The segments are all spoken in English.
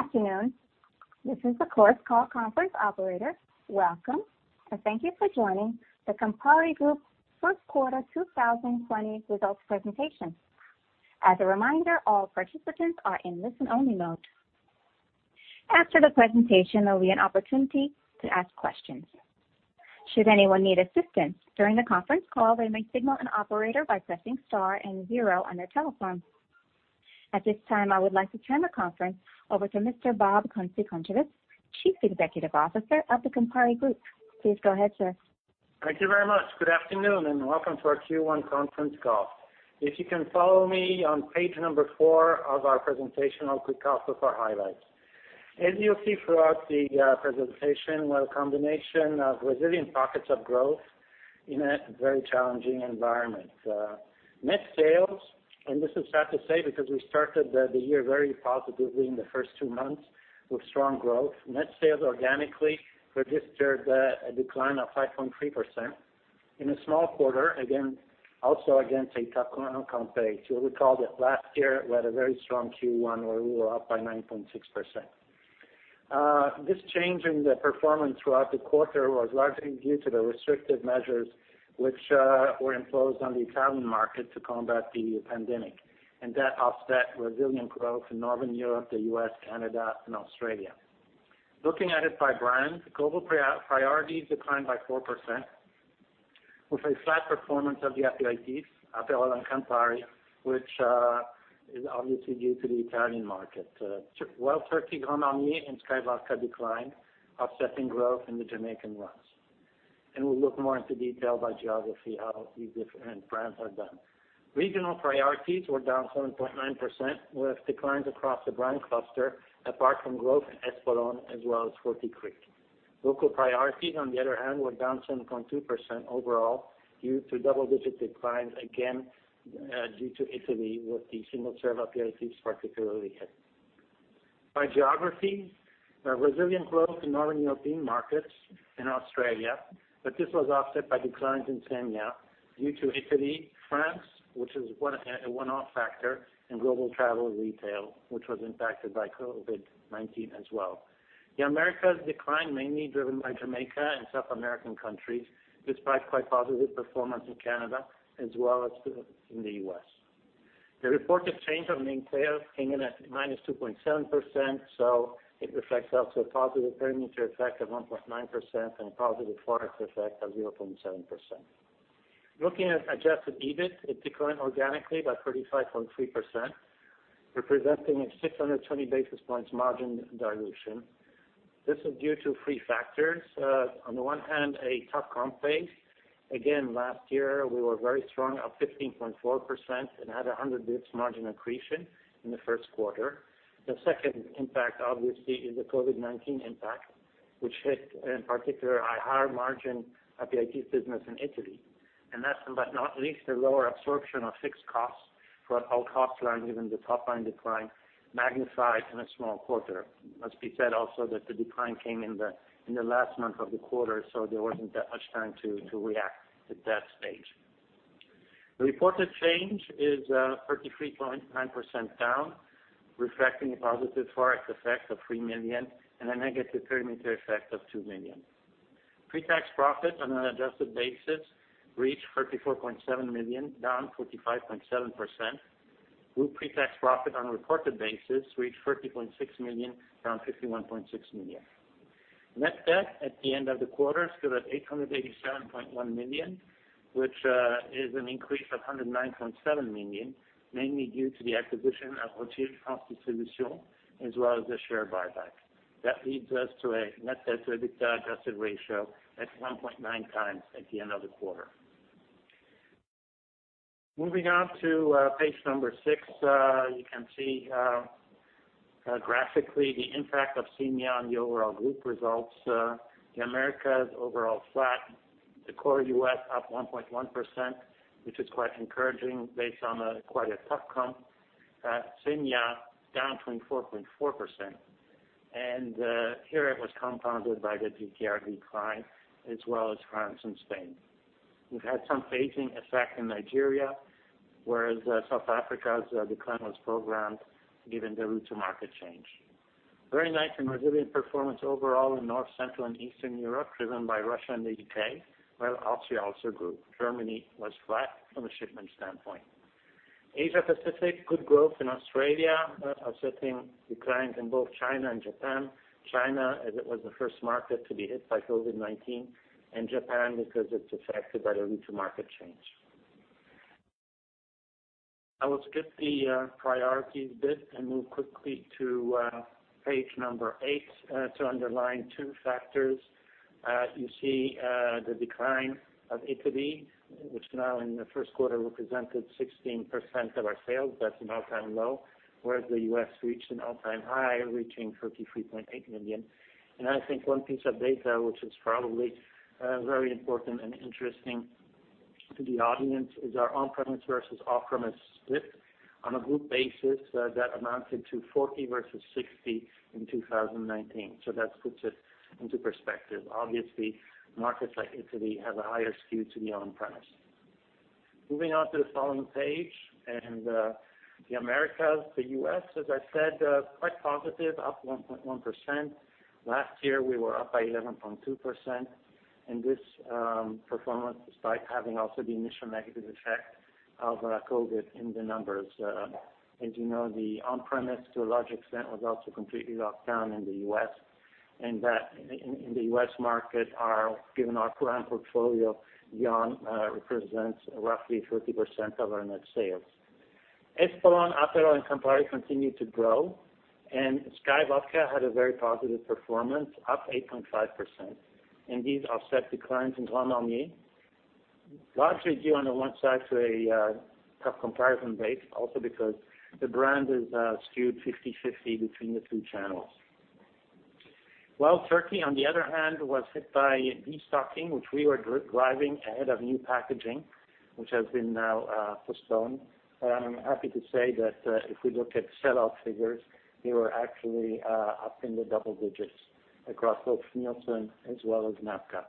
Good afternoon. This is the Chorus Call conference operator. Welcome, and thank you for joining the Campari Group first quarter 2020 results presentation. As a reminder, all participants are in listen-only mode. After the presentation, there will be an opportunity to ask questions. Should anyone need assistance during the conference call, they may signal an operator by pressing star and zero on their telephone. At this time, I would like to turn the conference over to Mr. Bob Kunze-Concewitz, Chief Executive Officer of the Campari Group. Please go ahead, sir. Thank you very much. Good afternoon. Welcome to our Q1 conference call. If you can follow me on page four of our presentation, I'll kick off with our highlights. As you'll see throughout the presentation, we're a combination of resilient pockets of growth in a very challenging environment. Net sales, and this is sad to say, because we started the year very positively in the first two months with strong growth. Net sales organically registered a decline of 5.3% in a small quarter, also against a tough compare. You'll recall that last year we had a very strong Q1, where we were up by 9.6%. This change in the performance throughout the quarter was largely due to the restrictive measures which were imposed on the Italian market to combat the pandemic, and that offset resilient growth in Northern Europe, the U.S., Canada, and Australia. Looking at it by brand, global priorities declined by 4%, with a flat performance of the aperitifs, Aperol and Campari, which is obviously due to the Italian market. Wild Turkey, Grand Marnier, and SKYY Vodka declined, offsetting growth in the Jamaican rums. We'll look more into detail by geography, how these different brands have done. Regional priorities were down 7.9%, with declines across the brand cluster, apart from growth in Espolòn, as well as Forty Creek. Local priorities, on the other hand, were down 7.2% overall, due to double-digit declines, again, due to Italy, with the single-serve aperitifs particularly hit. By geography, a resilient growth in Northern European markets and Australia, but this was offset by declines in SEMEA due to Italy, France, which is a one-off factor, and global travel retail, which was impacted by COVID-19 as well. The Americas decline mainly driven by Jamaica and South American countries, despite quite positive performance in Canada as well as in the U.S. The reported change on the main sales came in at -2.7%. It reflects also a positive perimeter effect of 1.9% and a positive ForEx effect of 0.7%. Looking at adjusted EBIT, it declined organically by 35.3%, representing a 620 basis points margin dilution. This is due to three factors. On the one hand, a tough comp base. Again, last year, we were very strong, up 15.4%, and had 100 basis points margin accretion in the first quarter. The second impact, obviously, is the COVID-19 impact, which hit, in particular, our higher margin aperitif business in Italy. Last but not least, the lower absorption of fixed costs for our cost line, given the top-line decline, magnified in a small quarter. It must be said also that the decline came in the last month of the quarter, so there wasn't that much time to react at that stage. The reported change is 33.9% down, reflecting a positive ForEx effect of 3 million and a negative perimeter effect of 2 million. Pre-tax profits on an adjusted basis reached 34.7 million, down 45.7%. Group pre-tax profit on a reported basis reached 30.6 million, down 51.6 million. Net debt at the end of the quarter stood at 887.1 million, which is an increase of 109.7 million, mainly due to the acquisition of Rothschild France Distribution, as well as the share buyback. That leads us to a net debt to EBITDA adjusted ratio at 1.9x at the end of the quarter. Moving on to page number six, you can see graphically the impact of SEMEA on the overall group results. The Americas, overall flat. The core U.S. up 1.1%, which is quite encouraging based on quite a tough comp. SEMEA down 24.4%. Here it was compounded by the GTR decline as well as France and Spain. We've had some phasing effect in Nigeria, whereas South Africa's decline was programmed given the route to market change. Very nice and resilient performance overall in North, Central, and Eastern Europe, driven by Russia and the U.K., while Austria also grew. Germany was flat from a shipment standpoint. Asia Pacific, good growth in Australia, offsetting declines in both China and Japan. China, as it was the first market to be hit by COVID-19, and Japan, because it's affected by the route to market change. I will skip the priorities bit and move quickly to page number eight to underline two factors. You see the decline of Italy, which now in the first quarter represented 16% of our sales. That's an all-time low, whereas the U.S. reached an all-time high, reaching 33.8 million. I think one piece of data which is probably very important and interesting to the audience is our on-premise versus off-premise split. On a group basis, that amounted to 40 versus 60 in 2019. That puts it into perspective. Obviously, markets like Italy have a higher skew to the on-premise. Moving on to the following page and the Americas. The U.S., as I said, quite positive, up 1.1%. Last year, we were up by 11.2% in this performance, despite having also the initial negative effect of COVID in the numbers. As you know, the on-trade, to a large extent, was also completely locked down in the U.S., and that in the U.S. market, given our current portfolio, Johnnie represents roughly 30% of our net sales. Espolòn, Aperol, and Campari continued to grow, and SKYY Vodka had a very positive performance, up 8.5%. These offset declines in Grand Marnier, largely due on the one side to a tough comparison base, also because the brand is skewed 50/50 between the two channels. Wild Turkey, on the other hand, was hit by de-stocking, which we were driving ahead of new packaging, which has been now postponed. I'm happy to say that if we look at sell-out figures, they were actually up in the double digits across both Nielsen as well as NABCA.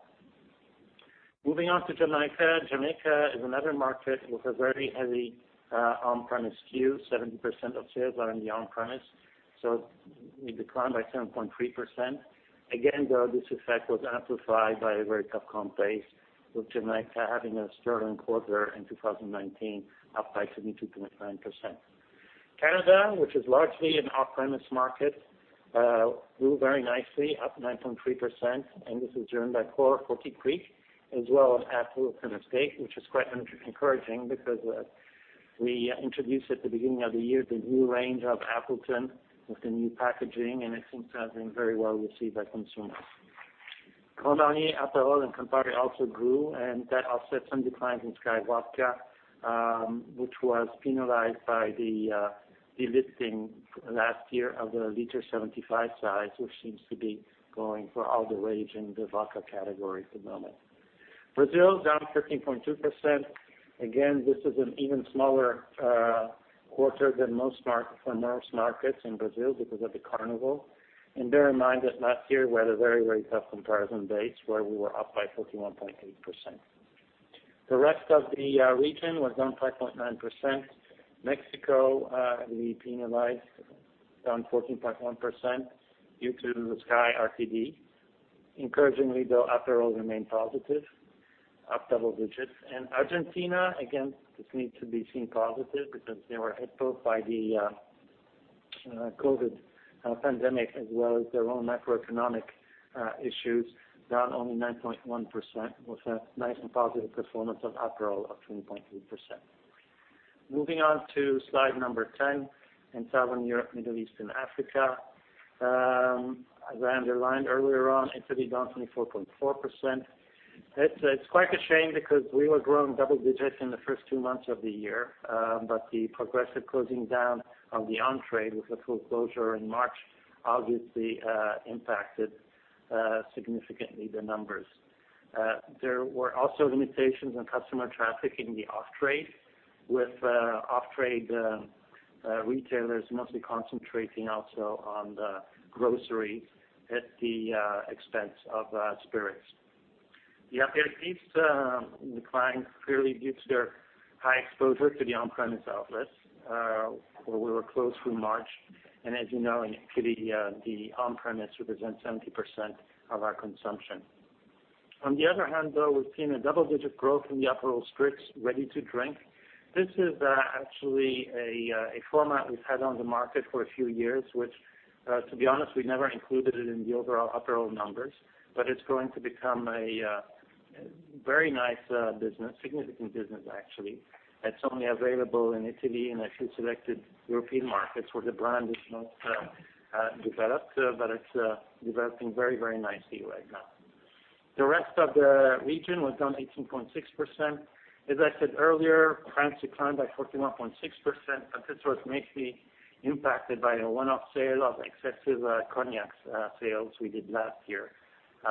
Moving on to Jamaica. Jamaica is another market with a very heavy on-premise skew, 70% of sales are in the on-premise. It declined by 7.3%. Again, though, this effect was amplified by a very tough comp base, with Jamaica having a sterling quarter in 2019, up by 72.9%. Canada, which is largely an off-premise market, grew very nicely, up 9.3%. This is driven by Forty Creek as well as Appleton Estate, which is quite encouraging because we introduced at the beginning of the year. The new range of Appleton with the new packaging, and it seems to have been very well received by consumers. Grand Marnier, Aperol, and Campari also grew, and that offset some declines in SKYY Vodka, which was penalized by the delisting last year of the liter 75 size, which seems to be going for all the rage in the vodka category at the moment. Brazil is down 13.2%. This is an even smaller quarter than most markets in Brazil because of the carnival. Bear in mind that last year we had a very tough comparison base where we were up by 41.8%. The rest of the region was down 5.9%. Mexico, we penalized down 14.1% due to the SKYY RTD. Encouragingly, though, Aperol remained positive, up double digits. Argentina, again, this needs to be seen positive because they were hit both by the COVID pandemic as well as their own macroeconomic issues, down only 9.1%, with a nice and positive performance of Aperol of 20.3%. Moving on to slide number 10, in Southern Europe, Middle East and Africa. As I underlined earlier on, Italy down 24.4%. It's quite a shame because we were growing double digits in the first two months of the year. The progressive closing down of the on-trade with the full closure in March obviously impacted significantly the numbers. There were also limitations on customer traffic in the off-trade, with off-trade retailers mostly concentrating also on the grocery at the expense of spirits. The Aperol declined clearly due to their high exposure to the on-premise outlets, where we were closed through March. As you know, in Italy, the on-premise represents 70% of our consumption. On the other hand, though, we've seen a double-digit growth in the Aperol Spritz Ready to Drink. This is actually a format we've had on the market for a few years, which, to be honest, we never included it in the overall Aperol numbers, but it's going to become a very nice business, significant business, actually. It's only available in Italy and a few selected European markets where the brand is not developed, but it's developing very nicely right now. The rest of the region was down 18.6%. As I said earlier, France declined by 14.6%, but this was mainly impacted by a one-off sale of excessive cognacs sales we did last year.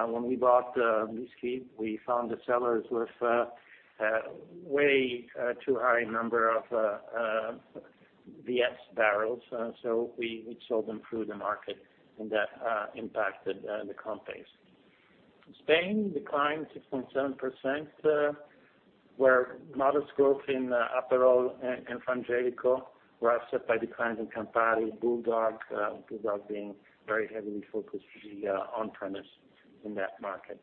When we bought Bisquit, we found the sellers with way too high number of VS barrels, so we sold them through the market, and that impacted the comp base. Spain declined 6.7%, where modest growth in Aperol and Franciacorta were offset by declines in Campari, BULLDOG being very heavily focused on the on-premise in that market.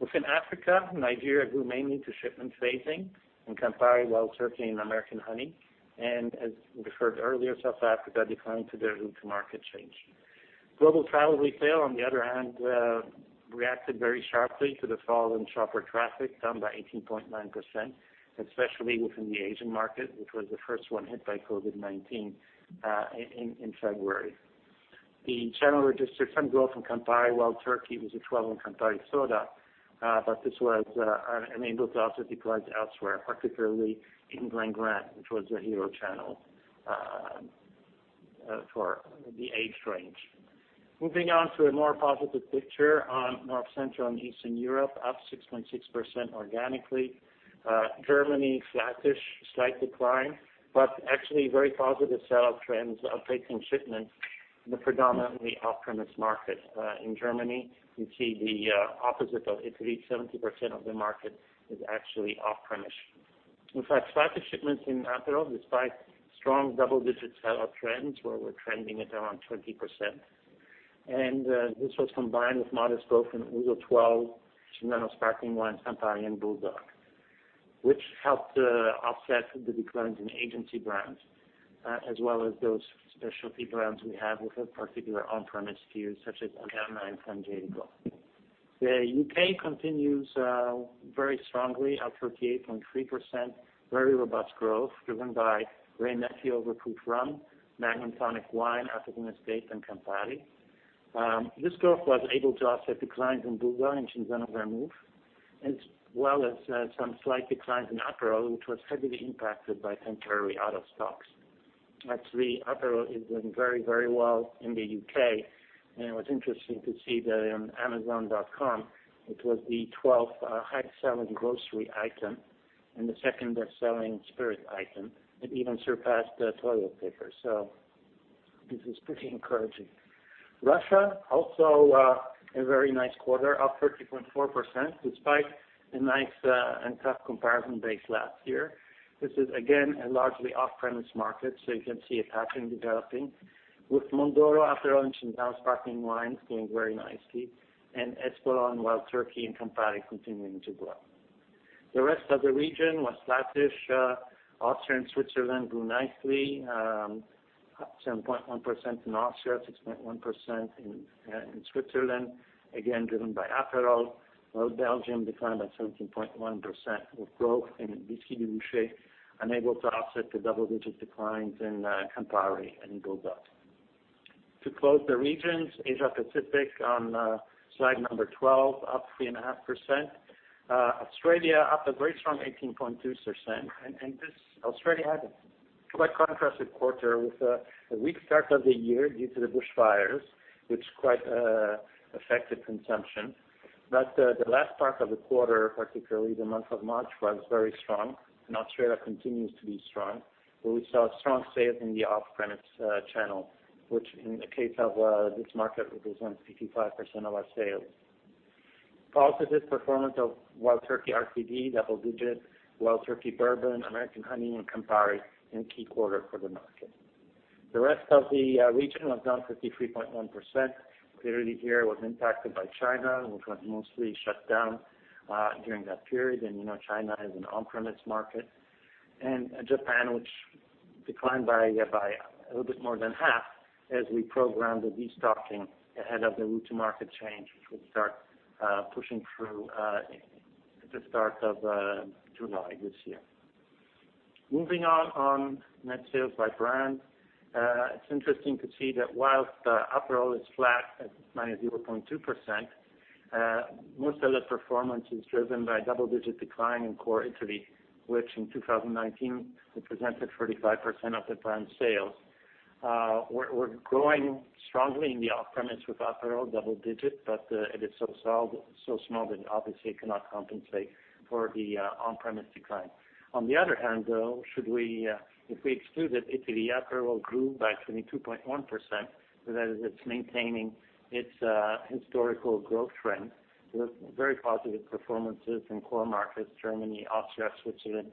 Within Africa, Nigeria grew mainly to shipment phasing in Campari, while Turkey in American Honey. As referred earlier, South Africa declined due to market change. Global travel retail, on the other hand, reacted very sharply to the fall in shopper traffic, down by 18.9%, especially within the Asian market, which was the first one hit by COVID-19 in February. The channel registered some growth in Campari, while Wild Turkey was a driver in Campari Soda. This was enabled to also declines elsewhere, particularly in Glen Grant, which was a hero channel for the age range. Moving on to a more positive picture on North, Central, and Eastern Europe, up 6.6% organically. Germany, flattish, slight decline, but actually very positive sell trends outpacing shipments. The predominantly off-premise market. In Germany, you see the opposite of Italy, 70% of the market is actually off-premise. In fact, slightly shipments in Aperol, despite strong double-digit sell-out trends, where we're trending at around 20%. This was combined with modest growth in Ouzo 12, Cinzano sparkling wine, Campari, and BULLDOG, which helped to offset the declines in agency brands, as well as those specialty brands we have with a particular on-premise skew, such as Angostura and Frangelico. The U.K. continues very strongly, up 38.3%, very robust growth driven by Grey Goose, Voskoff Rum, Magnum Tonic Wine, Aperol Spritz, and Campari. This growth was able to offset declines in BULLDOG and Cinzano Vermouth, as well as some slight declines in Aperol, which was heavily impacted by temporary out of stocks. Actually, Aperol is doing very well in the U.K., and it was interesting to see that on amazon.com, it was the 12th highest selling grocery item and the second best-selling spirit item. It even surpassed toilet paper, so this is pretty encouraging. Russia, also a very nice quarter, up 30.4%, despite a nice and tough comparison base last year. This is again, a largely off-premise market, so you can see it happening, developing. With Mondoro, Aperol, and Cinzano sparkling wines doing very nicely, and Espolòn, Wild Turkey, and Campari continuing to grow. The rest of the region was flattish. Austria and Switzerland grew nicely, up 7.1% in Austria, 6.1% in Switzerland, again driven by Aperol, while Belgium declined by 17.1% with growth in Bisquit & Dubouché, unable to offset the double-digit declines in Campari and BULLDOG. To close the regions, Asia Pacific on slide number 12, up 3.5%. Australia up a very strong 18.2%. Australia had a quite contrasted quarter, with a weak start of the year due to the bushfires, which quite affected consumption. The last part of the quarter, particularly the month of March, was very strong, and Australia continues to be strong. Where we saw strong sales in the off-premise channel, which in the case of this market represents 55% of our sales. Positive performance of Wild Turkey RTD, double-digits, Wild Turkey Bourbon, American Honey, and Campari in a key quarter for the market. The rest of the region was down 53.1%, clearly here was impacted by China, which was mostly shut down during that period. You know China is an on-premise market. Japan, which declined by a little bit more than half as we programmed the de-stocking ahead of the route to market change, which will start pushing through at the start of July this year. Moving on, net sales by brand. It's interesting to see that whilst Aperol is flat at -0.2%, most of the performance is driven by double-digit decline in core Italy, which in 2019 represented 35% of the brand's sales. We're growing strongly in the off-premise with Aperol, double digits. It is so small that obviously it cannot compensate for the on-premise decline. On the other hand, though, if we exclude Italy, Aperol grew by 22.1%, so that it's maintaining its historical growth trend. With very positive performances in core markets, Germany, Austria, Switzerland,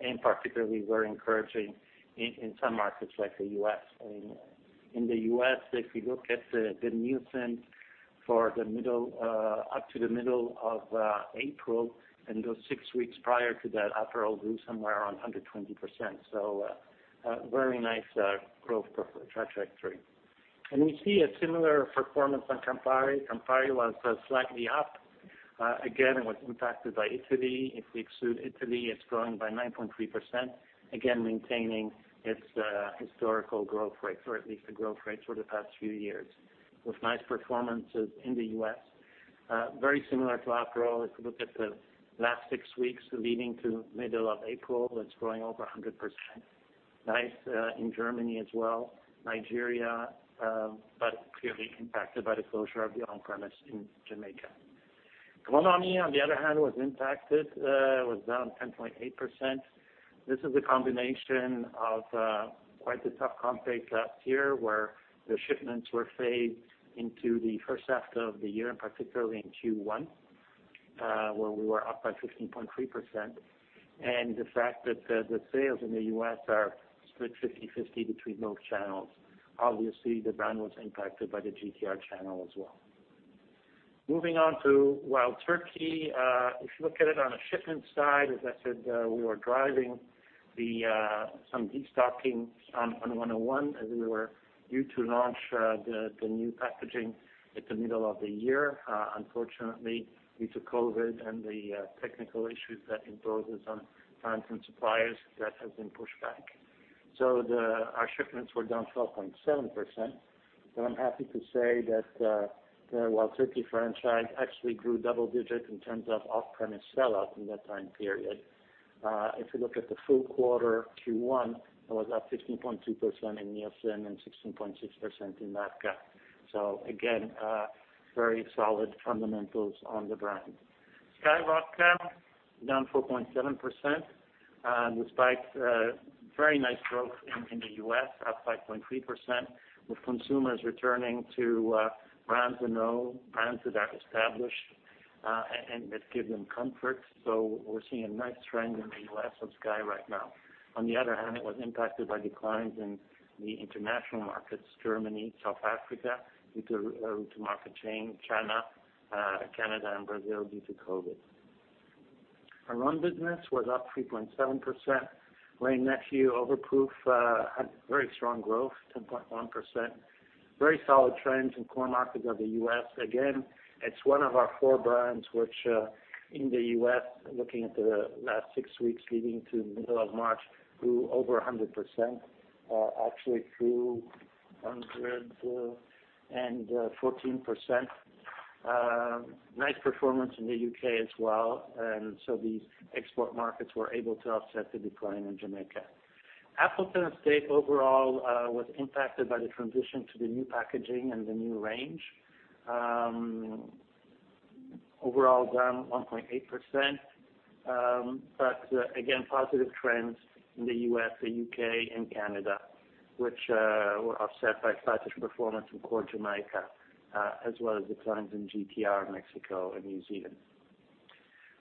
and particularly very encouraging in some markets like the U.S. In the U.S., if you look at the Nielsen for up to the middle of April, in those six weeks prior to that, Aperol grew somewhere around 120%. A very nice growth trajectory. We see a similar performance on Campari. Campari was slightly up. Again, it was impacted by Italy. If we exclude Italy, it's growing by 9.3%. Maintaining its historical growth rate, or at least the growth rate for the past few years. Nice performances in the U.S. Very similar to Aperol, if you look at the last six weeks leading to middle of April, it's growing over 100%. Nice in Germany as well, Nigeria, but clearly impacted by the closure of the on-premise in Jamaica. Cinzano, on the other hand, was impacted, was down 10.8%. This is a combination of quite a tough comp base last year, where the shipments were phased into the first half of the year, and particularly in Q1, where we were up by 15.3%. The fact that the sales in the U.S. are split 50/50 between both channels. Obviously, the brand was impacted by the GTR channel as well. Moving on to Wild Turkey. If you look at it on a shipment side, as I said, we were driving some de-stocking on 101, as we were due to launch the new packaging at the middle of the year. Unfortunately, due to COVID and the technical issues that imposes on plants and suppliers, that has been pushed back. Our shipments were down 12.7%, but I'm happy to say that the Wild Turkey franchise actually grew double digits in terms of off-premise sell-out in that time period. If you look at the full quarter Q1, it was up 15.2% in Nielsen and 16.6% in IRI. Again, very solid fundamentals on the brand. SKYY Vodka down 4.7%, despite very nice growth in the U.S., up 5.3%, with consumers returning to brands they know, brands that are established, and that give them comfort. We're seeing a nice trend in the U.S. of SKYY right now. On the other hand, it was impacted by declines in the international markets, Germany, South Africa, due to route-to-market change, China, Canada, and Brazil due to COVID. Our rum business was up 3.7%. Wray & Nephew Overproof had very strong growth, 10.1%. Very solid trends in core markets of the U.S. Again, it's one of our four brands, which, in the U.S., looking at the last six weeks leading to the middle of March, grew over 100%, or actually grew 114%. Nice performance in the U.K. as well. These export markets were able to offset the decline in Jamaica. Appleton Estate overall was impacted by the transition to the new packaging and the new range. Overall down 1.8%, but again, positive trends in the U.S., the U.K., and Canada, which were offset by sluggish performance in core Jamaica, as well as declines in GTR, Mexico, and New Zealand.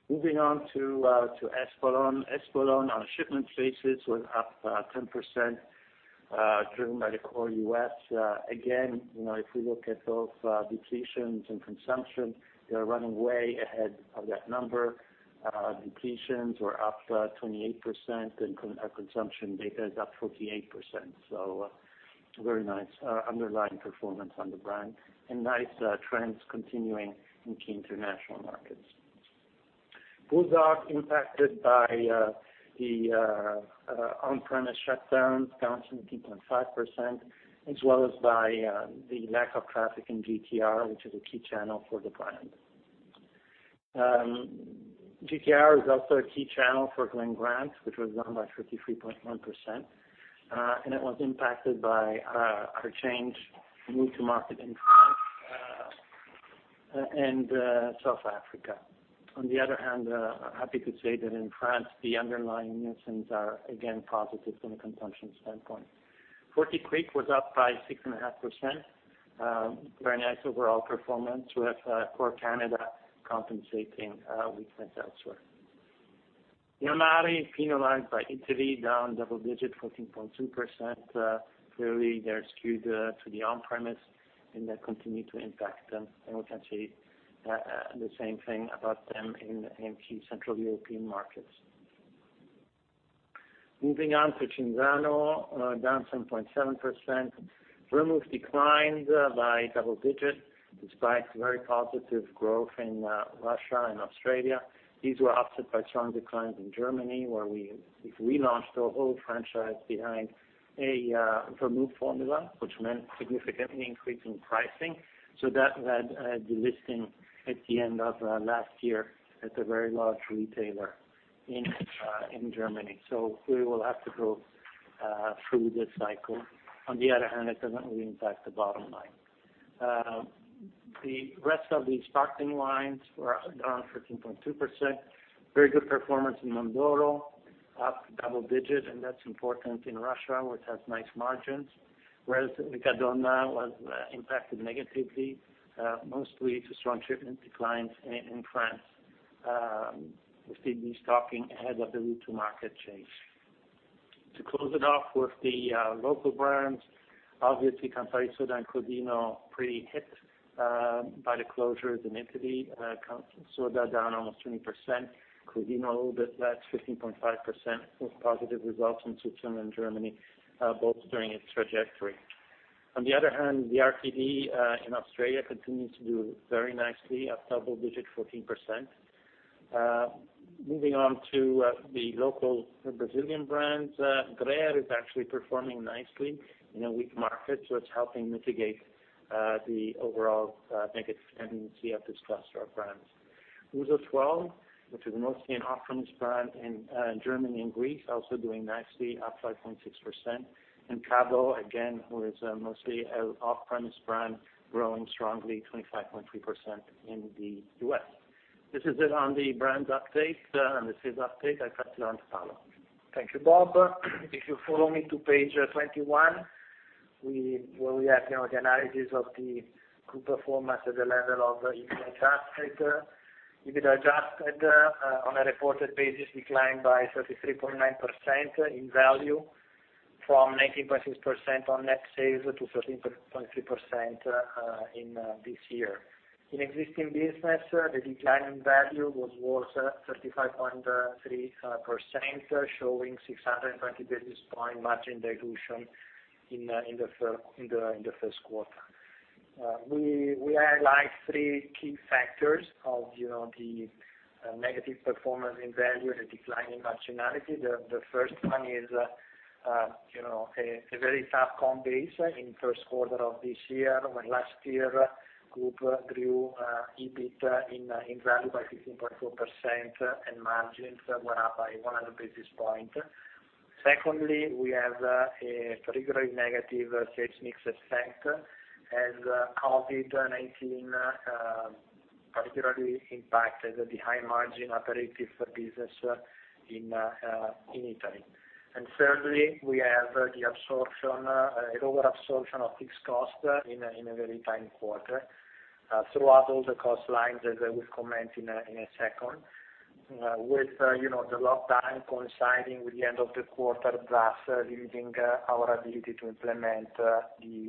Moving on to Espolon. Espolon on a shipment basis was up 10%, driven by the core U.S. If we look at both depletions and consumption, they are running way ahead of that number. Depletions were up 28%, and our consumption data is up 48%. A very nice underlying performance on the brand and nice trends continuing in key international markets. BULLDOG impacted by the on-premise shutdowns, down 17.5%, as well as by the lack of traffic in GTR, which is a key channel for the brand. GTR is also a key channel for Glen Grant, which was down by 53.1%, and it was impacted by our change in route to market in France and South Africa. On the other hand, I'm happy to say that in France, the underlying trends are again positive from a consumption standpoint. Forty Creek was up by 6.5%. Very nice overall performance with core Canada compensating weakness elsewhere. Nemiroff penalized by Italy, down double digit, 14.2%. Clearly, they're skewed to the on-trade, that continued to impact them. We can say the same thing about them in key central European markets. Moving on to Cinzano, down 7.7%. Vermouth declined by double digit despite very positive growth in Russia and Australia. These were offset by strong declines in Germany, where we relaunched the whole franchise behind a vermouth formula, which meant significantly increasing pricing. That had delisting at the end of last year at a very large retailer in Germany. We will have to go through this cycle. On the other hand, it doesn't really impact the bottom line. The rest of the sparkling wines were down 13.2%. Very good performance in Mondoro, up double digit, and that's important in Russia, which has nice margins. Whereas Riccadonna was impacted negatively, mostly to strong shipment declines in France, with the destocking ahead of the route to market change. To close it off with the local brands, obviously Campari Soda and Crodino pretty hit by the closures in Italy. Campari Soda down almost 20%, Crodino a little bit less, 15.5%, with positive results in Switzerland and Germany, both during its trajectory. On the other hand, the RTD in Australia continues to do very nicely, up double digit, 14%. Moving on to the local Brazilian brands, Dreher is actually performing nicely in a weak market, so it's helping mitigate the overall negative tendency of discussed our brands. Ouzo 12, which is mostly an off-premise brand in Germany and Greece, also doing nicely, up 5.6%. Cabo, again, who is mostly an off-premise brand, growing strongly, 25.3% in the U.S. This is it on the brands update and the sales update. I pass you on to Paolo. Thank you, Bob. If you follow me to page 21, where we have the analysis of the group performance at the level of EBITDA adjusted. EBITDA adjusted on a reported basis declined by 33.9% in value from 19.6% on net sales to 13.3% in this year. In existing business, the decline in value was worse, 35.3%, showing 620 basis point margin dilution in the first quarter. We highlight three key factors of the negative performance in value and the decline in marginality. The first one is a very tough comp base in first quarter of this year, when last year group grew EBIT in value by 15.4% and margins were up by 100 basis point. Secondly, we have a particularly negative sales mix effect as COVID-19 particularly impacted the high margin operative business in Italy. Thirdly, we have the lower absorption of fixed cost in a very tiny quarter. Throughout all the cost lines, as I will comment in a second. With the lockdown coinciding with the end of the quarter, thus limiting our ability to implement the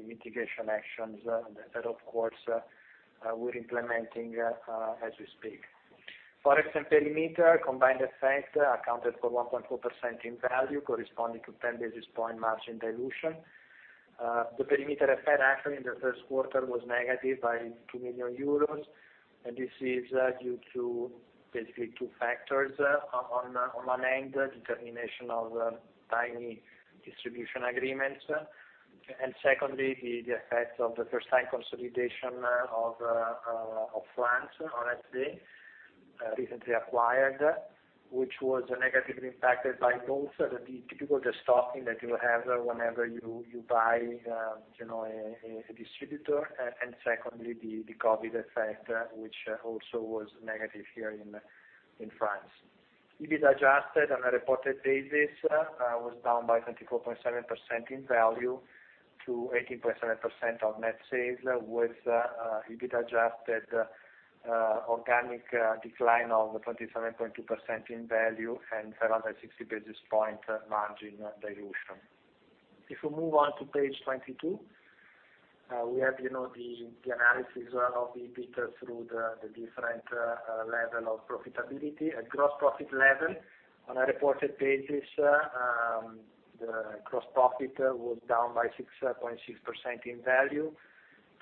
mitigation actions that of course, we're implementing as we speak. Foreign exchange and perimeter combined effect accounted for 1.4% in value, corresponding to 10 basis point margin dilution. The perimeter effect actually in the first quarter was by -2 million euros, and this is due to basically two factors. On one end, the termination of tiny distribution agreements. Secondly, the effect of the first time consolidation of France, honestly, recently acquired, which was negatively impacted by both the typical restocking that you have whenever you buy a distributor, and secondly, the COVID effect, which also was negative here in France. EBIT adjusted on a reported basis was down by 24.7% in value to 18.7% of net sales, with EBIT adjusted organic decline of 27.2% in value and 760 basis point margin dilution. If we move on to page 22, we have the analysis of the EBIT through the different level of profitability. At gross profit level on a reported basis, the gross profit was down by 6.6% in value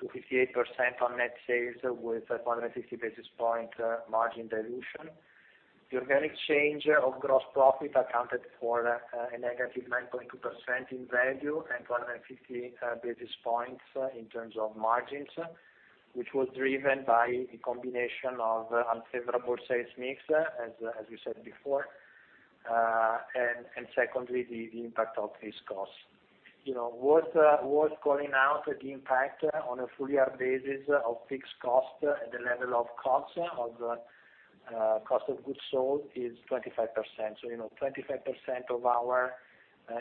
to 58% on net sales, with 460 basis point margin dilution. The organic change of gross profit accounted for -9.2% in value and 450 basis points in terms of margins, which was driven by a combination of unfavorable sales mix, as we said before, and secondly, the impact of fixed costs. Worth calling out the impact on a full year basis of fixed cost at the level of costs of cost of goods sold is 25%. 25% of our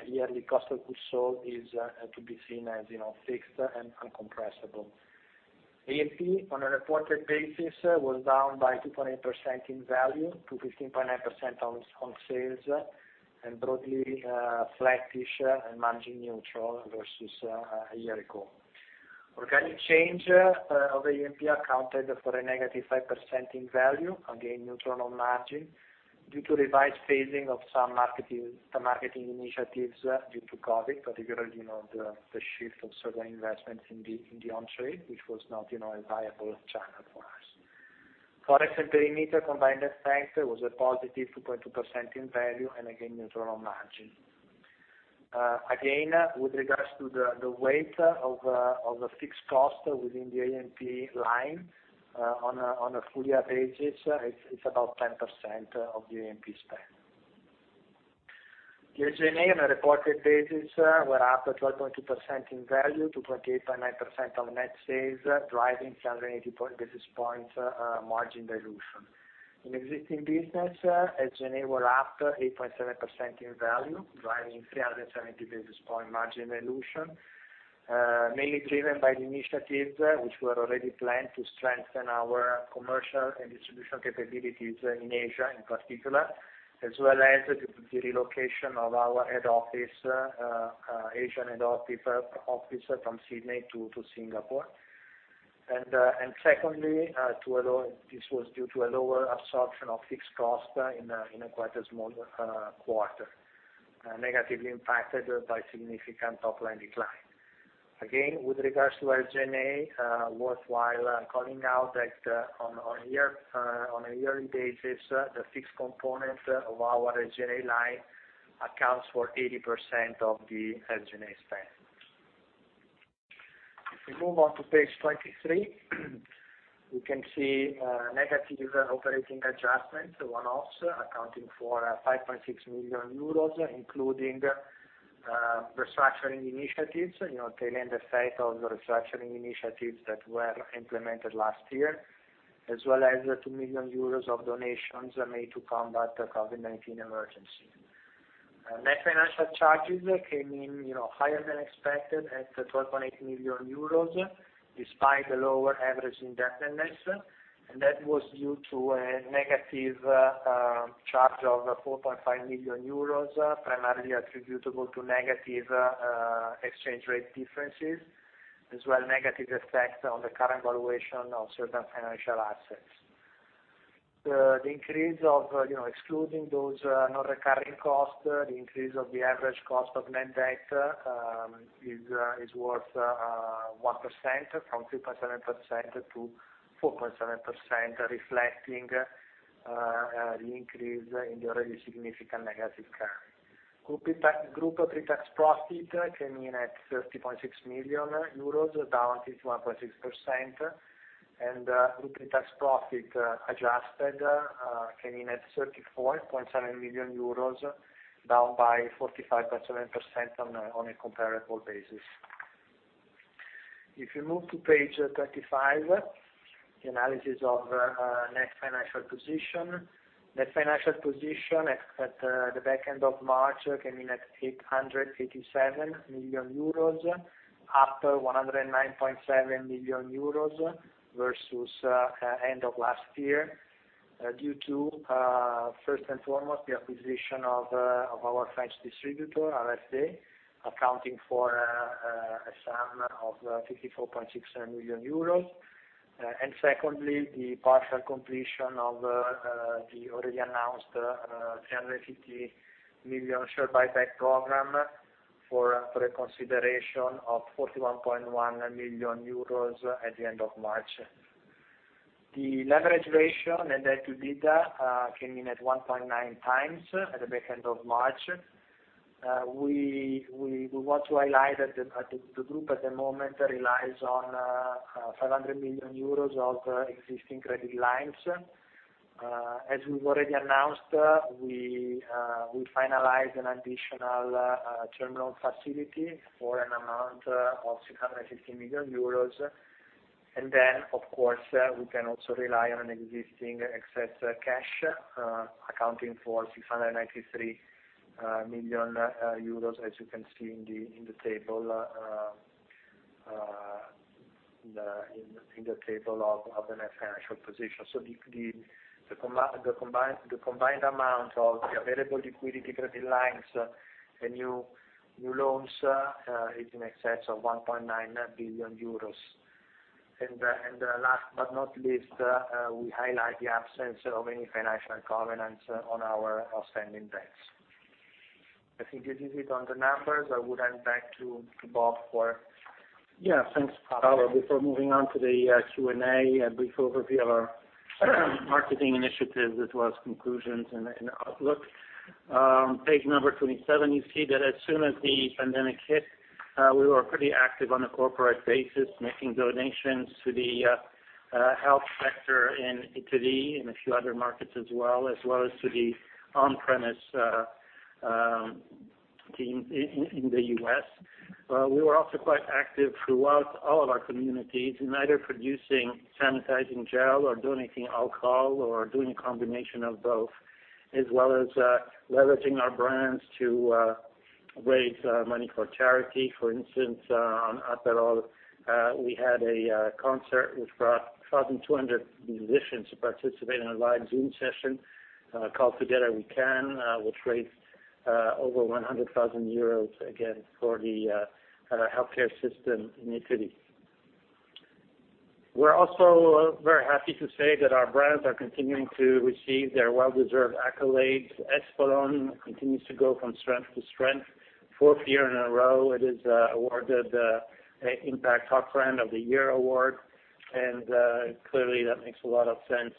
yearly cost of goods sold is to be seen as fixed and incompressible. A&P on a reported basis was down by 2.8% in value to 15.9% on sales and broadly flattish and margin neutral versus a year ago. Organic change of A&P accounted for a negative 5% in value. Again, neutral on margin due to revised phasing of some marketing initiatives due to COVID, particularly, the shift of certain investments in the on-trade, which was not a viable channel for us. Foreign exchange and perimeter combined effect was a positive 2.2% in value and again, neutral on margin. Again, with regards to the weight of fixed cost within the A&P line, on a full year basis, it's about 10% of the A&P spend. The SG&A on a reported basis were up 12.2% in value to 28.9% of net sales, driving 780 basis points margin dilution. In existing business, SG&A were up 8.7% in value, driving 370 basis point margin dilution. Mainly driven by the initiatives which were already planned to strengthen our commercial and distribution capabilities in Asia, in particular, as well as the relocation of our Asian head office from Sydney to Singapore. Secondly, this was due to a lower absorption of fixed cost in a quite a small quarter, negatively impacted by significant top line decline. Again, with regards to SG&A, worthwhile calling out that on a yearly basis, the fixed component of our SG&A line accounts for 80% of the SG&A spend. If we move on to page 23, we can see negative operating adjustments, one-offs accounting for 5.6 million euros, including restructuring initiatives, trailing the effect of the restructuring initiatives that were implemented last year, as well as 2 million euros of donations made to combat the COVID-19 emergency. Net financial charges came in higher than expected at 12.8 million euros, despite the lower average indebtedness. That was due to a negative charge of 4.5 million euros, primarily attributable to negative exchange rate differences, as well negative effect on the current valuation of certain financial assets. Excluding those non-recurring costs, the increase of the average cost of net debt is worth 1%, from 3.7%-4.7%, reflecting the increase in the already significant negative. Group pre-tax profit came in at 30.6 million euros, down 51.6%. Group pre-tax profit adjusted came in at 34.7 million euros, down by 45.7% on a comparable basis. If you move to page 35, the analysis of net financial position. Net financial position at the back end of March came in at 887 million euros, up 109.7 million euros versus end of last year, due to, first and foremost, the acquisition of our French distributor, RFD, accounting for a sum of 54.6 million euros. Secondly, the partial completion of the already announced 350 million share buyback program for a consideration of 41.1 million euros at the end of March. The leverage ratio, net debt to EBITDA, came in at 1.9x at the back end of March. We want to highlight that the group at the moment relies on 500 million euros of existing credit lines. As we've already announced, we finalized an additional terminal facility for an amount of 650 million euros. Of course, we can also rely on existing excess cash, accounting for 693 million euros, as you can see in the table of the net financial position. The combined amount of the available liquidity credit lines and new loans is in excess of 1.9 billion euros. Last but not least, we highlight the absence of any financial covenants on our outstanding debts. I think that is it on the numbers. I would hand back to Bob. Thanks, Paolo. Before moving on to the Q&A, a brief overview of our marketing initiatives as well as conclusions and outlook. Page number 27, you see that as soon as the pandemic hit, we were pretty active on a corporate basis, making donations to the health sector in Italy and a few other markets as well, as well as to the on-premise team in the U.S. We were also quite active throughout all of our communities in either producing sanitizing gel or donating alcohol, or doing a combination of both, as well as leveraging our brands to raise money for charity. For instance, on Aperol, we had a concert which brought 1,200 musicians to participate in a live Zoom session called Together We Can, which raised over 100,000 euros, again, for the healthcare system in Italy. We're also very happy to say that our brands are continuing to receive their well-deserved accolades. Espolòn continues to go from strength to strength. fourth year in a row, it is awarded the Impact Hot Brand of the Year award. Clearly that makes a lot of sense.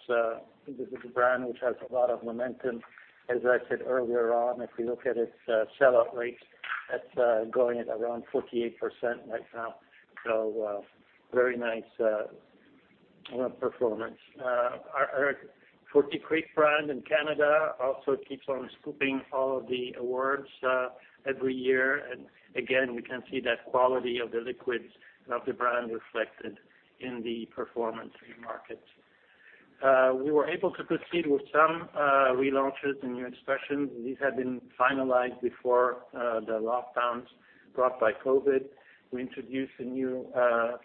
This is a brand which has a lot of momentum. As I said earlier on, if we look at its sell-out rates, that's going at around 48% right now. Very nice performance. Our Forty Creek brand in Canada also keeps on scooping all of the awards every year. Again, we can see that quality of the liquids of the brand reflected in the performance in markets. We were able to proceed with some relaunches and new expressions. These had been finalized before the lockdowns brought by COVID. We introduced a new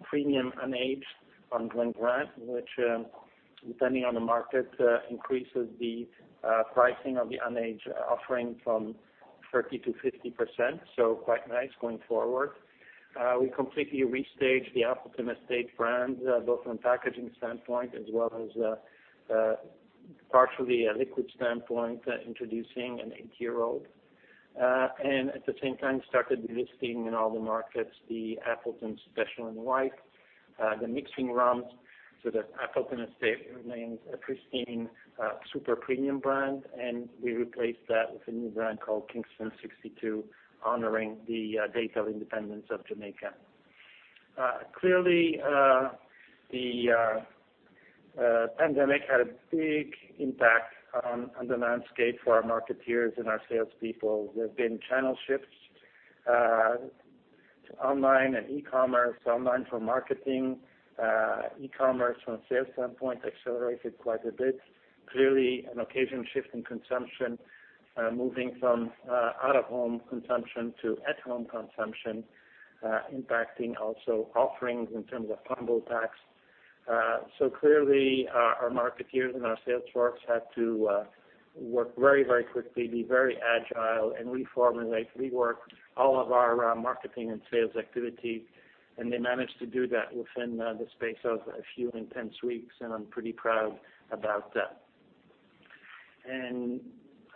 premium unaged on one brand, which, depending on the market, increases the pricing of the unaged offering from 30%-50%, so quite nice going forward. We completely restaged the Appleton Estate brand, both from a packaging standpoint as well as partially a liquid standpoint, introducing an eight-year-old. At the same time, started listing in all the markets the Appleton Special and White, the mixing rums, so that Appleton Estate remains a pristine super premium brand, and we replaced that with a new brand called Kingston 62, honoring the date of independence of Jamaica. Clearly, the pandemic had a big impact on the landscape for our marketeers and our salespeople. There have been channel shifts to online and e-commerce. Online for marketing, e-commerce from a sales standpoint accelerated quite a bit. Clearly, an occasion shift in consumption, moving from out-of-home consumption to at-home consumption, impacting also offerings in terms of bundle packs. Clearly, our marketers and our sales force had to work very quickly, be very agile, and reformulate, rework all of our marketing and sales activity, and they managed to do that within the space of a few intense weeks. I'm pretty proud about that.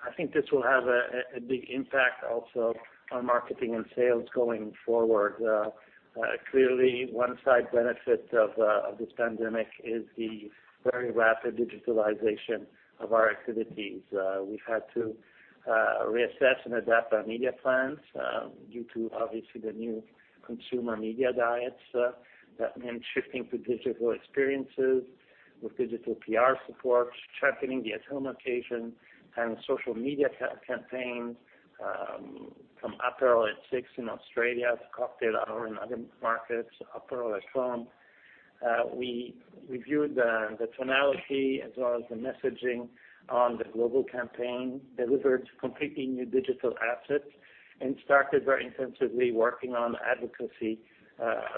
I think this will have a big impact also on marketing and sales going forward. Clearly, one side benefit of this pandemic is the very rapid digitalization of our activities. We've had to reassess and adapt our media plans due to, obviously, the new consumer media diets. That meant shifting to digital experiences with digital PR support, sharpening the at-home occasion and social media campaigns from Aperol at Six in Australia, the cocktail hour in other markets, Aperol Spritz. We reviewed the tonality as well as the messaging on the global campaign, delivered completely new digital assets, Started very intensively working on advocacy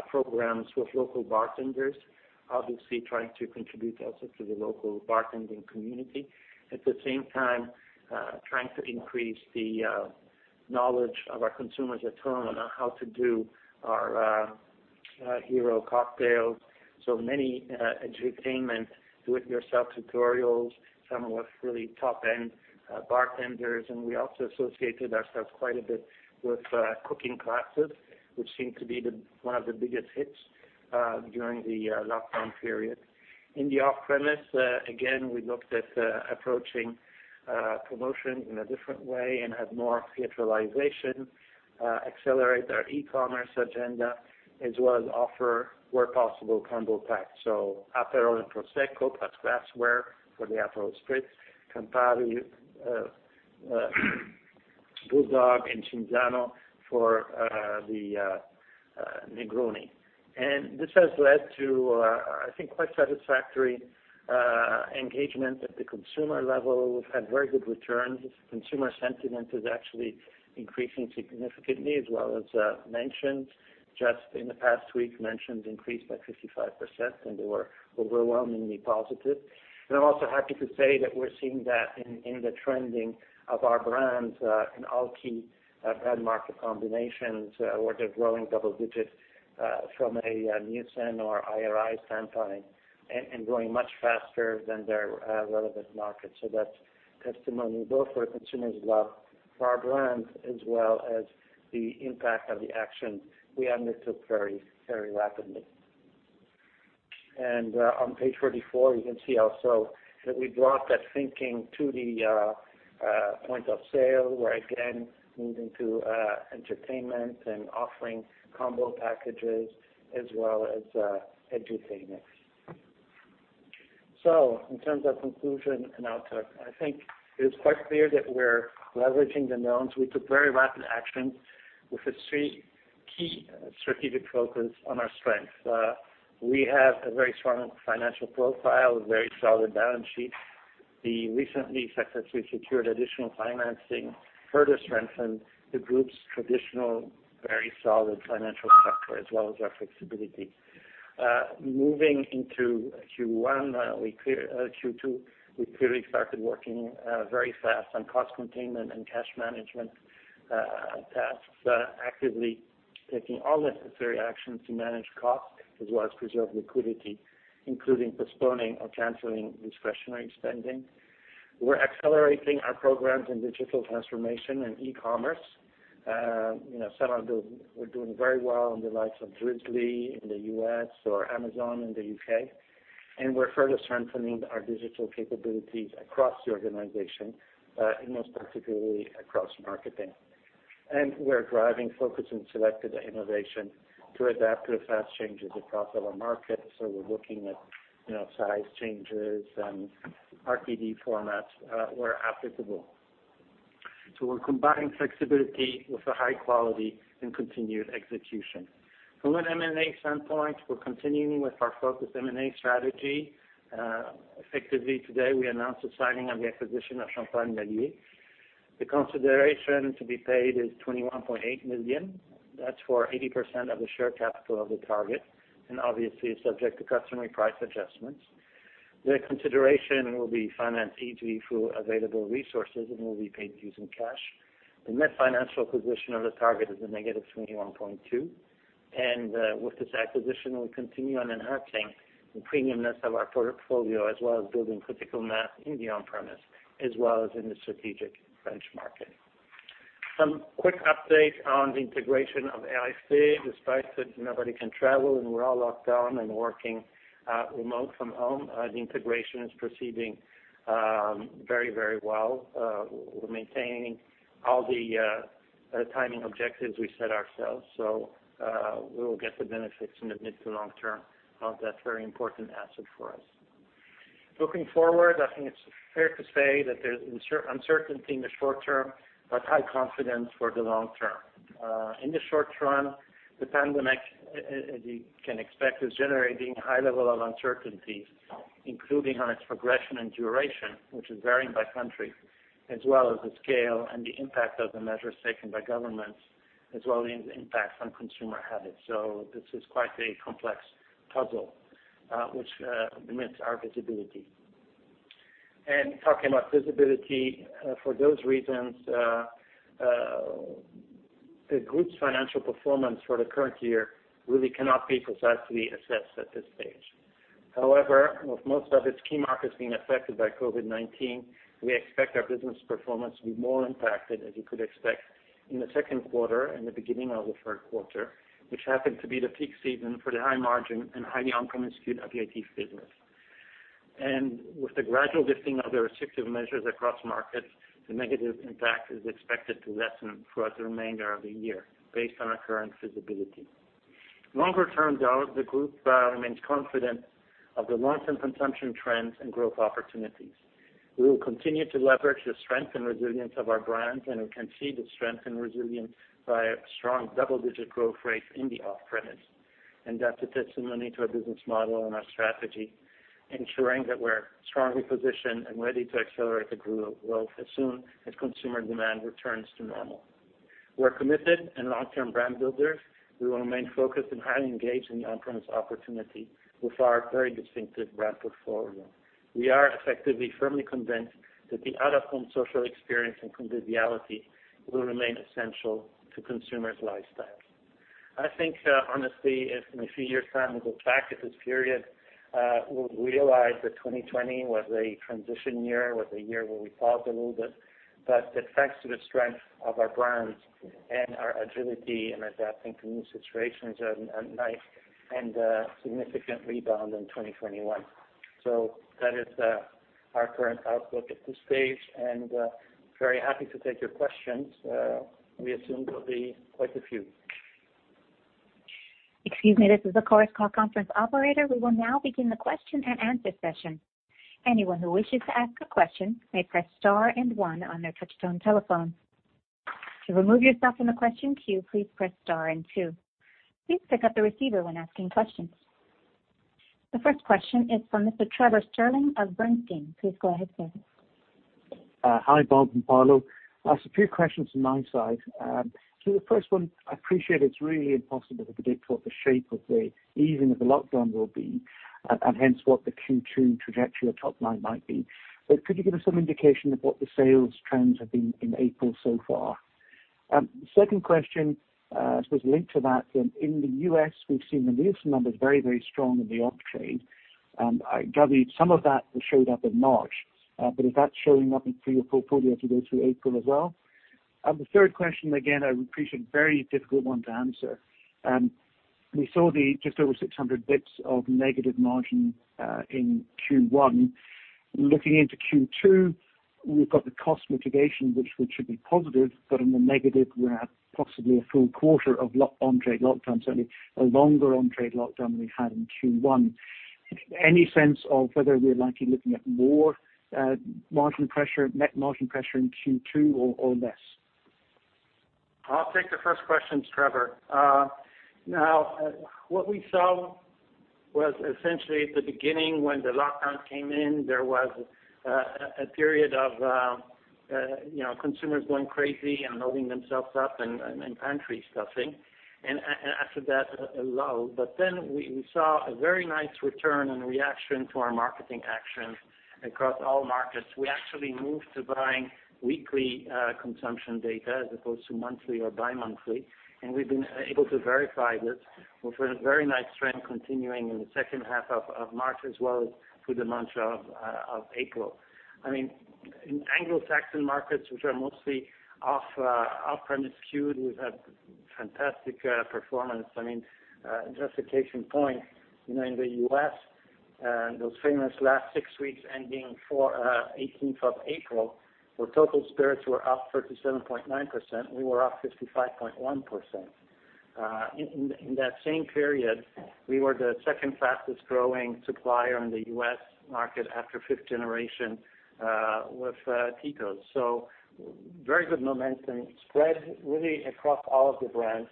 programs with local bartenders, obviously trying to contribute also to the local bartending community. At the same time, trying to increase the knowledge of our consumers at home on how to do our hero cocktails. Many edutainment do-it-yourself tutorials, some with really top-end bartenders. We also associated ourselves quite a bit with cooking classes, which seemed to be one of the biggest hits during the lockdown period. In the off-premise, again, we looked at approaching promotion in a different way and had more theatricalization, accelerate our e-commerce agenda, as well as offer, where possible, combo packs. Aperol and Prosecco, plus glassware for the Aperol Spritz, Campari, BULLDOG and Cinzano for the Negroni. This has led to, I think, quite satisfactory engagement at the consumer level. We've had very good returns. Consumer sentiment is actually increasing significantly as well as mentions. Just in the past week, mentions increased by 55%, and they were overwhelmingly positive. I'm also happy to say that we're seeing that in the trending of our brands in all key brand market combinations, where they're growing double digits from a Nielsen or IRI standpoint and growing much faster than their relevant markets. That's testimony both for consumers' love for our brands, as well as the impact of the action we undertook very rapidly. On page 44, you can see also that we brought that thinking to the point of sale, where again, moving to entertainment and offering combo packages as well as edutainment. In terms of conclusion and outlook, I think it is quite clear that we're leveraging the knowns. We took very rapid action with a three key strategic focus on our strength. We have a very strong financial profile, a very solid balance sheet. The recently successfully secured additional financing further strengthened the group's traditional, very solid financial structure, as well as our flexibility. Moving into Q2, we clearly started working very fast on cost containment and cash management tasks, actively taking all necessary actions to manage costs as well as preserve liquidity, including postponing or canceling discretionary spending. We're accelerating our programs in digital transformation and e-commerce. Some are doing very well in the likes of Drizly in the U.S. or Amazon in the U.K., and we're further strengthening our digital capabilities across the organization, and most particularly across marketing. We are driving focus on selected innovation to adapt to the fast changes across our markets. We are looking at size changes and RTD formats where applicable. We are combining flexibility with a high quality and continued execution. From an M&A standpoint, we are continuing with our focused M&A strategy. Effectively today, we announced the signing of the acquisition of Champagne Lallier. The consideration to be paid is 21.8 million. That is for 80% of the share capital of the target, and obviously is subject to customary price adjustments. The consideration will be financed through available resources and will be paid using cash. The net financial position of the target is a -21.2, and with this acquisition. We continue on enhancing the premiumness of our portfolio, as well as building critical mass in the on-premise, as well as in the strategic French market. Some quick update on the integration of RFD. Despite that nobody can travel and we're all locked down and working remote from home, the integration is proceeding very well. We're maintaining all the timing objectives we set ourselves. We will get the benefits in the mid to long term of that very important asset for us. Looking forward, I think it's fair to say that there's uncertainty in the short term, but high confidence for the long term. In the short term, the pandemic, as you can expect, is generating high level of uncertainty, including on its progression and duration, which is varying by country, as well as the scale and the impact of the measures taken by governments, as well as the impact on consumer habits. This is quite a complex puzzle, which limits our visibility. Talking about visibility, for those reasons, the group's financial performance for the current year really cannot be precisely assessed at this stage. However, with most of its key markets being affected by COVID-19, we expect our business performance to be more impacted, as you could expect in the second quarter and the beginning of the third quarter, which happened to be the peak season for the high margin and highly on-premise skewed VIT business. With the gradual lifting of the restrictive measures across markets, the negative impact is expected to lessen throughout the remainder of the year based on our current visibility. Longer term though, the group remains confident of the long-term consumption trends and growth opportunities. We will continue to leverage the strength and resilience of our brands, and we can see the strength and resilience by a strong double-digit growth rate in the off-premise. That is a testimony to our business model and our strategy, ensuring that we are strongly positioned and ready to accelerate the Group growth as soon as consumer demand returns to normal. We are committed and long-term brand builders. We will remain focused and highly engaged in the on-premise opportunity with our very distinctive brand portfolio. We are effectively firmly convinced that the out-of-home social experience and conviviality will remain essential to consumers' lifestyles. I think, honestly, if in a few years' time we look back at this period, we will realize that 2020 was a transition year, was a year where we paused a little bit. That thanks to the strength of our brands and our agility in adapting to new situations, a nice and significant rebound in 2021. That is our current outlook at this stage, and very happy to take your questions. We assume there'll be quite a few. Excuse me, this is the Chorus Call conference operator. We will now begin the question and answer session. Anyone who wishes to ask a question may press star one on their touch-tone telephone. To remove yourself from the question queue, please press star two. Please pick up the receiver when asking questions. The first question is from Mr. Trevor Stirling of Bernstein. Please go ahead, sir. Hi, Bob and Paolo. Just a few questions from my side. The first one, I appreciate it's really impossible to predict what the shape of the easing of the lockdown will be, and hence what the Q2 trajectory or top line might be. Could you give us some indication of what the sales trends have been in April so far? Second question, I suppose linked to that, in the U.S., we've seen the Nielsen numbers very strong in the off trade. I gather some of that showed up in March. Is that showing up in through your portfolio to go through April as well? The third question, again, I appreciate a very difficult one to answer. We saw the just over 600 basis points of negative margin in Q1. Looking into Q2, we've got the cost mitigation, which should be positive, but on the negative, we have possibly a full quarter of on-trade lockdown. Certainly a longer on-trade lockdown than we had in Q1. Any sense of whether we're likely looking at more margin pressure, net margin pressure in Q2 or less? I'll take the first questions, Trevor. What we saw was essentially at the beginning when the lockdown came in, there was a period of consumers going crazy and loading themselves up and pantry stuffing. After that, a lull. We saw a very nice return and reaction to our marketing actions across all markets. We actually moved to buying weekly consumption data as opposed to monthly or bi-monthly, and we've been able to verify this with a very nice trend continuing in the second half of March, as well as through the month of April. In Anglo-Saxon markets, which are mostly off-premise skewed, we've had fantastic performance. Just a case in point, in the U.S., those famous last six weeks ending 18th of April, where total spirits were up 37.9%, we were up 55.1%. In that same period, we were the second fastest growing supplier in the U.S. market after Fifth Generation, with Tito's. Very good momentum spread really across all of the brands.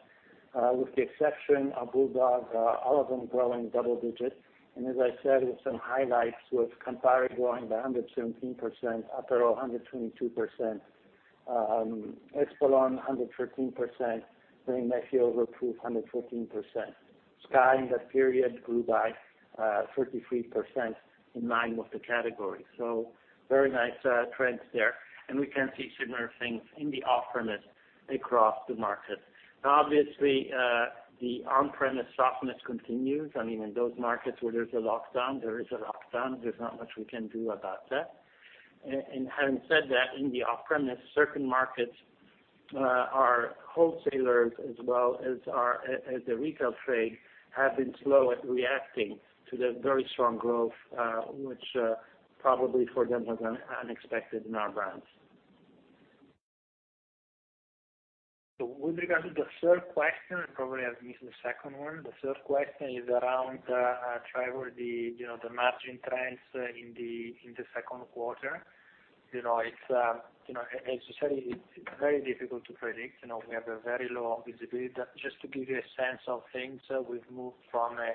With the exception of BULLDOG, all of them growing double digits. As I said, with some highlights, with Campari growing by 117%, Aperol 122%, Espolòn 113%, and Wray & Nephew Overproof 114%. SKYY in that period grew by 33% in line with the category. Very nice trends there. We can see similar things in the off-premise across the market. Obviously, the on-premise softness continues. In those markets where there's a lockdown, there is a lockdown. There's not much we can do about that. Having said that, in the off-premise, certain markets, our wholesalers as well as the retail trade, have been slow at reacting to the very strong growth, which probably for them was unexpected in our brands. With regard to the third question, probably I've missed the second one. The third question is around, Trevor, the margin trends in the second quarter. As you said, it's very difficult to predict. We have a very low visibility. Just to give you a sense of things, we've moved from a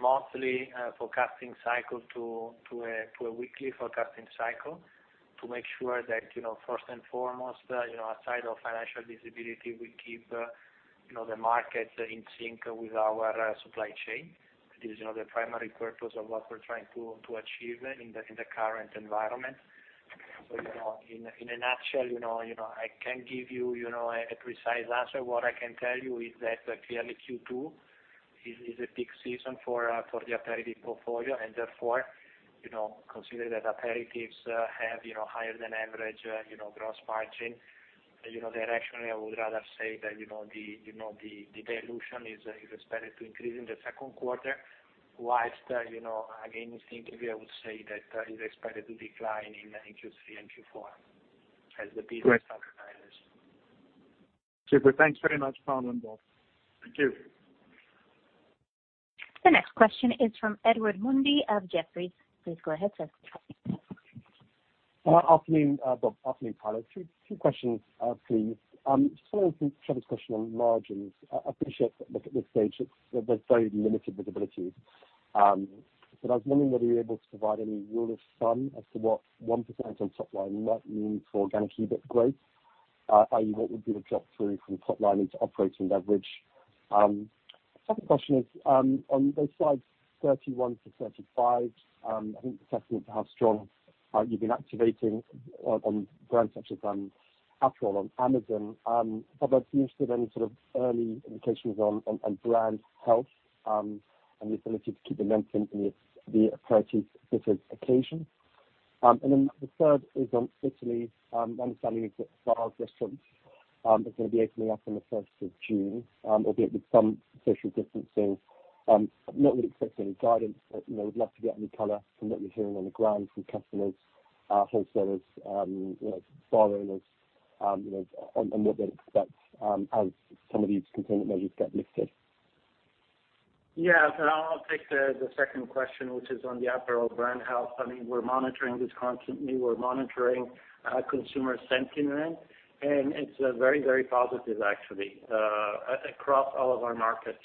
monthly forecasting cycle to a weekly forecasting cycle to make sure that, first and foremost, aside of financial visibility, we keep the market in sync with our supply chain. It is the primary purpose of what we're trying to achieve in the current environment. In a nutshell, I can't give you a precise answer. What I can tell you is that clearly Q2 is a peak season for the aperitif portfolio, and therefore, consider that aperitifs have higher than average gross margin. Directionally, I would rather say that the dilution is expected to increase in the second quarter, while again, instinctively, I would say that it's expected to decline in Q3 and Q4. Super. Thanks very much, Paolo and Bob. Thank you. The next question is from Edward Mundy of Jefferies. Please go ahead, sir. Afternoon, Bob. Afternoon, Paolo. Two questions, please. Following from Trevor's question on margins, I appreciate that at this stage, there's very limited visibility. I was wondering, were you able to provide any rule of thumb as to what 1% on top line might mean for organic EBIT growth? I.e., what would be the drop through from top line into operating leverage? Second question is, on both slides 31-35, I think a testament to how strong you've been activating on brands such as Aperol on Amazon. I'd be interested any sort of early indications on brand health, and the ability to keep the momentum in the approaches this occasion. The third is on Italy, understanding bars, restaurants are going to be opening up on the 1st of June, albeit with some social distancing. Not really expecting any guidance, would love to get any color from what you're hearing on the ground from customers, wholesalers, bar owners, and what they'd expect as some of these containment measures get lifted. Yeah. I'll take the second question, which is on the Aperol brand health. We're monitoring this constantly. We're monitoring consumer sentiment, it's very, very positive actually, across all of our markets.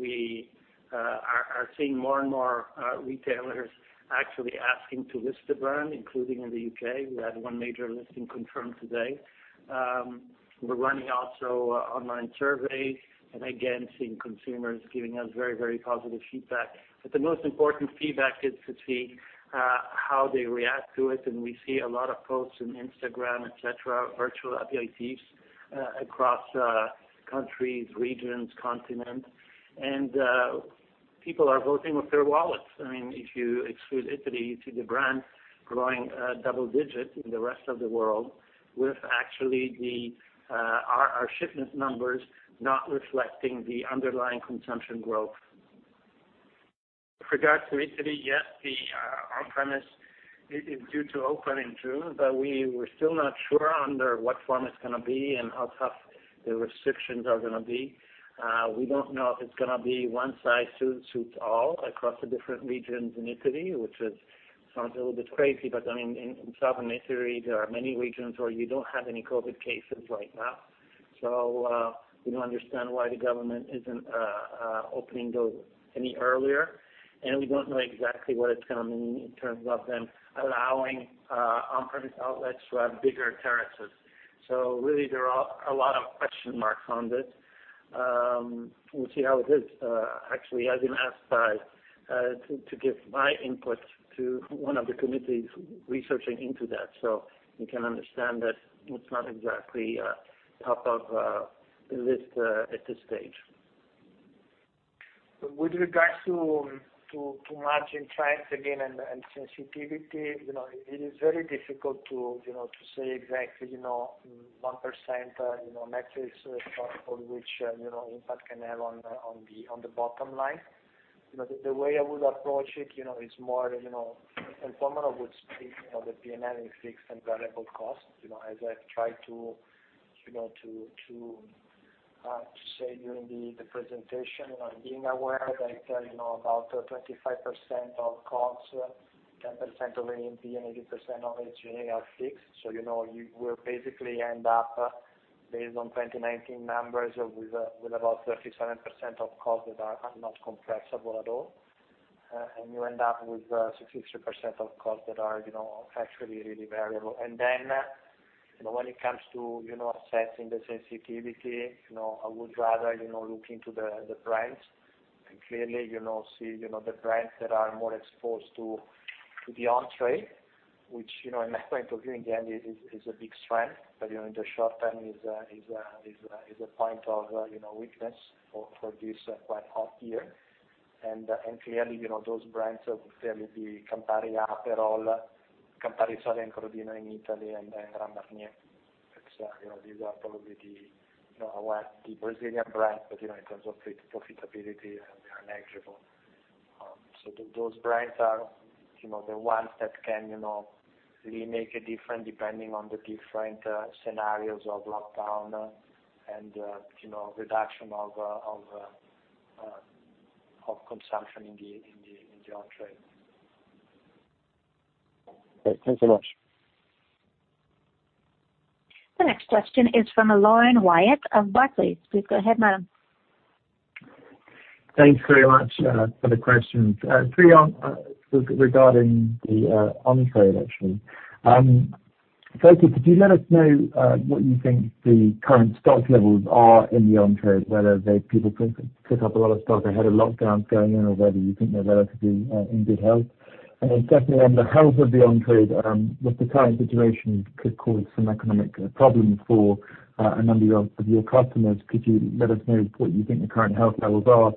We are seeing more and more retailers actually asking to list the brand, including in the U.K. We had one major listing confirmed today. We're running also online surveys, again, seeing consumers giving us very, very positive feedback. The most important feedback is to see how they react to it, we see a lot of posts in Instagram, etc., virtual happy hours across countries, regions, continents, people are voting with their wallets. If you exclude Italy, you see the brand growing double digit in the rest of the world, with actually our shipment numbers not reflecting the underlying consumption growth. With regards to Italy, yes, the on-premise is due to open in June. We're still not sure under what form it's going to be and how tough the restrictions are going to be. We don't know if it's going to be one size suits all across the different regions in Italy, which sounds a little bit crazy. In southern Italy, there are many regions where you don't have any COVID cases right now. We don't understand why the government isn't opening those any earlier, and we don't know exactly what it's going to mean in terms of them allowing on-premise outlets to have bigger terraces. Really, there are a lot of question marks on this. We'll see how it is. Actually, I've been asked to give my input to one of the committees researching into that. You can understand that it's not exactly top of the list at this stage. With regards to margin, thanks again, and sensitivity. It is very difficult to say exactly 1% metrics responsible, which impact can have on the bottom line. The way I would approach it's more, tomorrow would speak the P&L in fixed and variable costs. As I've tried to say during the presentation, being aware that about 25% of costs, 10% of A&P and 80% of SG&A are fixed. You will basically end up based on 2019 numbers with about 37% of costs that are not compressible at all. You end up with 63% of costs that are actually really variable. When it comes to assessing the sensitivity, I would rather look into the brands and clearly, see the brands that are more exposed to the on-trade, which in my point of view, in the end, is a big strength, but in the short term is a point of weakness for this quite hard year. Those brands would clearly be Campari, Aperol, Campari Soda, and Crodino in Italy, Grand Marnier. These are probably the Brazilian brands, in terms of profitability, they are negligible. Those brands are the ones that can really make a difference depending on the different scenarios of lockdown and reduction of consumption in the on-trade. Great. Thanks so much. The next question is from Laurence Whyatt of Barclays. Please go ahead, madam. Thanks very much for the questions. Three regarding the on-trade, actually. Folks, could you let us know what you think the current stock levels are in the on-trade, whether people took up a lot of stock ahead of lockdowns going in, or whether you think they're relatively in good health? Secondly, on the health of the on-trade, with the current situation could cause some economic problems for a number of your customers. Could you let us know what you think the current health levels are,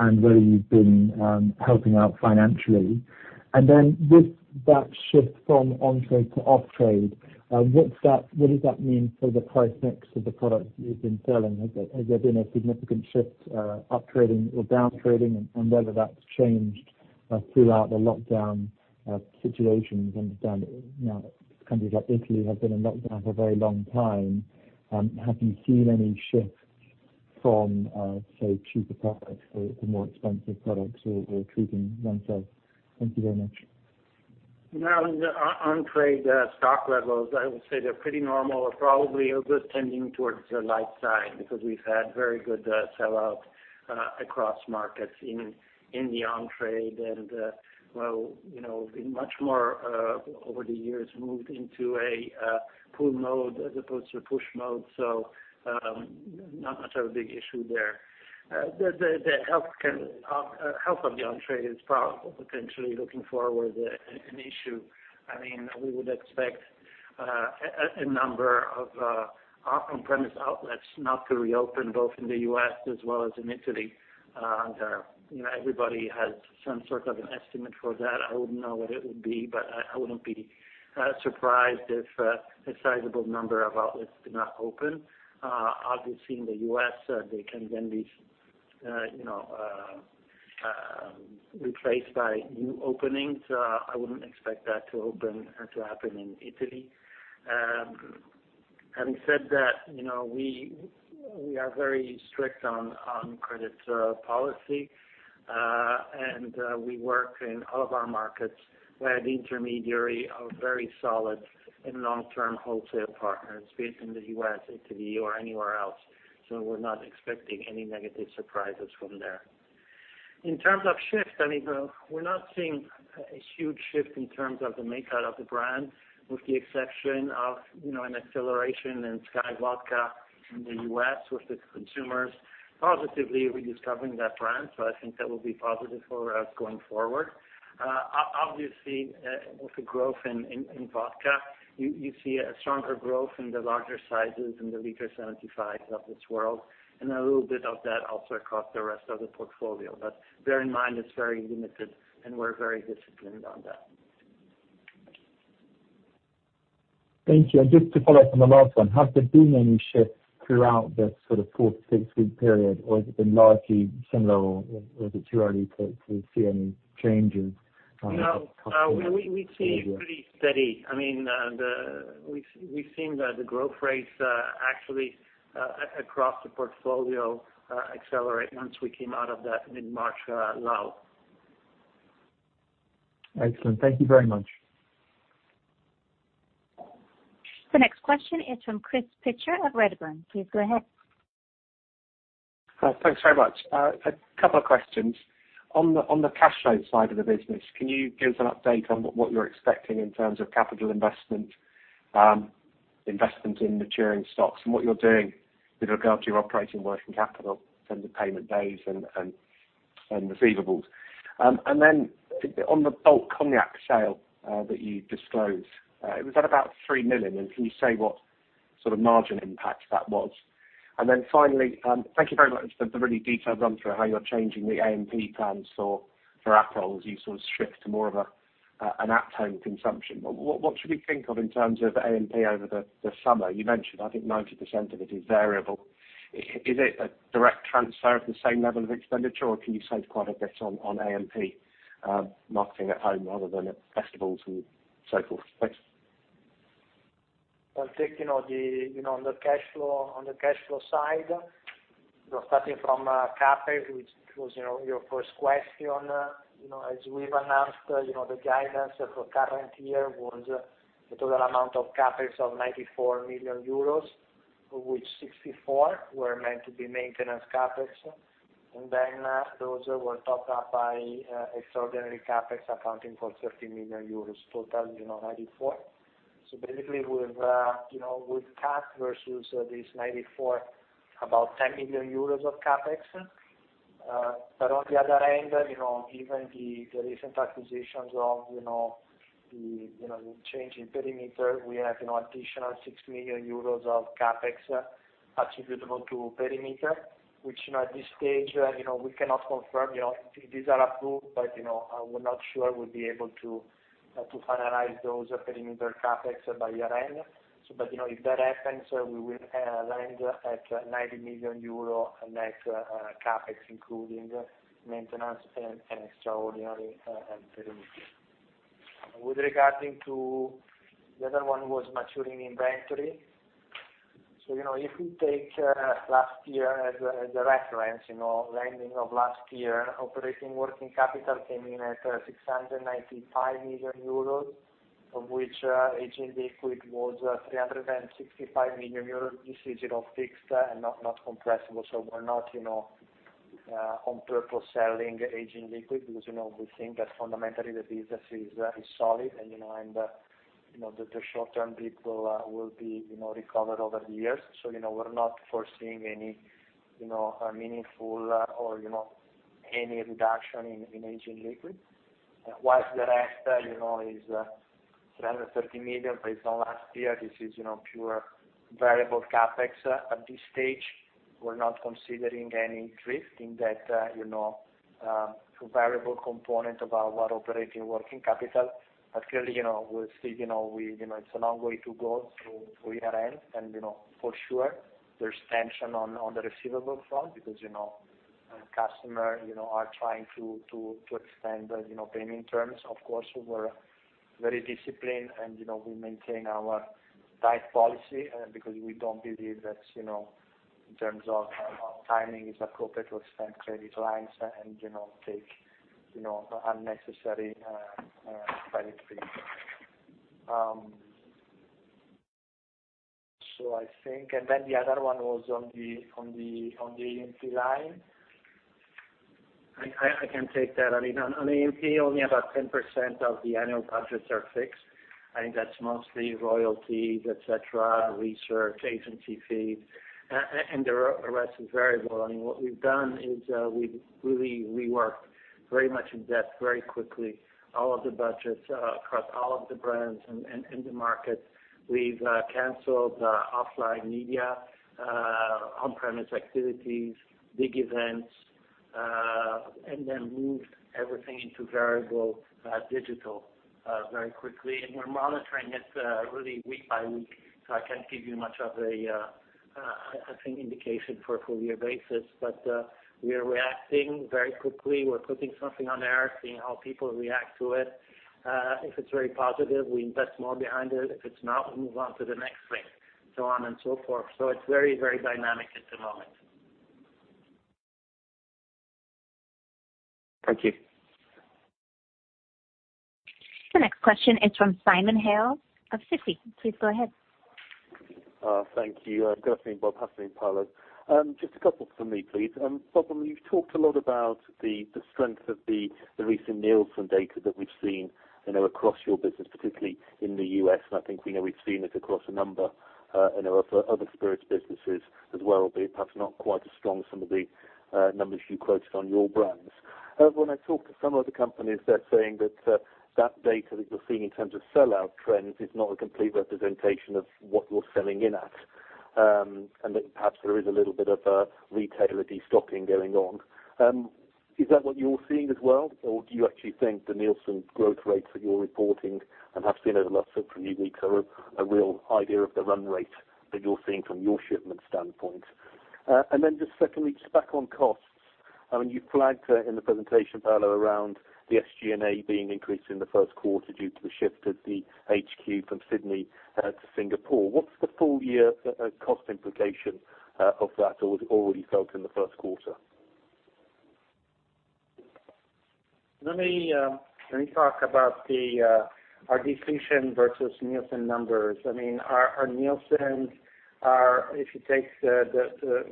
and whether you've been helping out financially? With that shift from on-trade to off-trade, what does that mean for the price mix of the products you've been selling? Has there been a significant shift up-trading or down-trading, and whether that's changed throughout the lockdown situations? We understand now countries like Italy have been in lockdown for a very long time. Have you seen any shift from, say, cheaper products to more expensive products or treating oneself? Thank you very much. On-trade stock levels, I would say they're pretty normal or probably a good tending towards the light side because we've had very good sell-out across markets in the on-trade. In much more over the years, moved into a pull mode as opposed to a push mode, so not much of a big issue there. The health of the on-trade is probably potentially looking forward an issue. We would expect a number of off on-premise outlets not to reopen both in the U.S. as well as in Italy. Everybody has some sort of an estimate for that. I wouldn't know what it would be, but I wouldn't be surprised if a sizable number of outlets do not open. In the U.S., they can then be replaced by new openings. I wouldn't expect that to happen in Italy. Having said that, we are very strict on credit policy. We work in all of our markets where the intermediary are very solid and long-term wholesale partners, be it in the U.S., Italy, or anywhere else. We're not expecting any negative surprises from there. In terms of shift, we're not seeing a huge shift in terms of the makeout of the brand, with the exception of an acceleration in SKYY Vodka in the U.S., with the consumers positively rediscovering that brand. I think that will be positive for us going forward. Obviously, with the growth in vodka, you see a stronger growth in the larger sizes, in the liter 75 of this world, and a little bit of that also across the rest of the portfolio. Bear in mind, it's very limited, and we're very disciplined on that. Thank you. Just to follow up on the last one, have there been any shifts throughout this sort of four to six-week period, or has it been largely similar, or is it too early to see any changes on the customer behavior? No, we've seen pretty steady. We've seen the growth rates actually across the portfolio accelerate once we came out of that mid-March lull. Excellent. Thank you very much. The next question is from Chris Pitcher of Redburn. Please go ahead. Thanks very much. A couple of questions. On the cash flow side of the business, can you give us an update on what you're expecting in terms of capital investment in maturing stocks, and what you're doing with regard to your operating working capital in terms of payment days and receivables? On the bulk cognac sale that you disclosed, it was at about 3 million, can you say what sort of margin impact that was? Finally, thank you very much for the really detailed run through of how you're changing the A&P plans for Aperol. You sort of shift to more of an at-home consumption. What should we think of in terms of A&P over the summer? You mentioned, I think 90% of it is variable. Is it a direct transfer of the same level of expenditure, or can you save quite a bit on A&P marketing at home rather than at festivals and so forth? Thanks. I'll take on the cash flow side, starting from CapEx, which was your first question. As we've announced, the guidance for current year was a total amount of CapEx of 94 million euros, of which 64 were meant to be maintenance CapEx. Those were topped up by extraordinary CapEx accounting for 30 million euros, total 94. Basically, with cut versus this 94, about 10 million euros of CapEx. On the other end, given the recent acquisitions of the change in perimeter, we have additional 6 million euros of CapEx attributable to perimeter, which, at this stage, we cannot confirm. These are approved, we're not sure we'll be able to finalize those perimeter CapEx by year-end. If that happens, we will land at 90 million euro net CapEx, including maintenance and extraordinary and perimeter. With regarding to the other one was maturing inventory. If we take last year as a reference, landing of last year, operating working capital came in at 695 million euros, of which aging liquid was 365 million euros. This is it all fixed and not compressible. We're not on purpose selling aging liquid because, we think that fundamentally the business is solid and that the short-term people will be recovered over the years. We're not foreseeing any meaningful or any reduction in aging liquid. Whilst the rest is 330 million based on last year, this is pure variable CapEx. At this stage, we're not considering any drift in that variable component of our operating working capital. Clearly, it's a long way to go through year-end. For sure, there's tension on the receivable front because customers are trying to extend payment terms. Of course, we're very disciplined, and we maintain our tight policy, because we don't believe that, in terms of timing, it's appropriate to extend credit lines and take unnecessary credit risk. I think, the other one was on the A&P line. I can take that. On the A&P, only about 10% of the annual budgets are fixed. I think that's mostly royalties, et cetera, research, agency fees. The rest is variable. What we've done is we've really reworked, very much in depth, very quickly, all of the budgets across all of the brands and the markets. We've canceled offline media, on-premise activities, big events. Then moved everything into variable digital very quickly. We're monitoring it really week by week, so I can't give you much of a, I think, indication for a full year basis. We are reacting very quickly. We're putting something on there, seeing how people react to it. If it's very positive, we invest more behind it. If it's not, we move on to the next thing, so on and so forth. It's very dynamic at the moment. Thank you. The next question is from Simon Hales of Citigroup. Please go ahead. Thank you. Good afternoon, Bob. Afternoon, Paolo. Just a couple from me, please. Bob, you've talked a lot about the strength of the recent Nielsen data that we've seen across your business, particularly in the U.S., I think we've seen it across a number of other spirits businesses as well, albeit perhaps not quite as strong as some of the numbers you quoted on your brands. However, when I talk to some of the companies, they're saying that that data that you're seeing in terms of sell-out trends is not a complete representation of what you're selling in at. That perhaps there is a little bit of a retailer de-stocking going on. Is that what you're seeing as well? Do you actually think the Nielsen growth rates that you're reporting, and perhaps seen over the last several weeks, are a real idea of the run rate that you're seeing from your shipment standpoint? Secondly, just back on costs. You flagged in the presentation, Paolo, around the SG&A being increased in the first quarter due to the shift of the HQ from Sydney to Singapore. What's the full year cost implication of that already felt in the first quarter? Let me talk about our depletion versus Nielsen numbers. Our Nielsen are, if you take the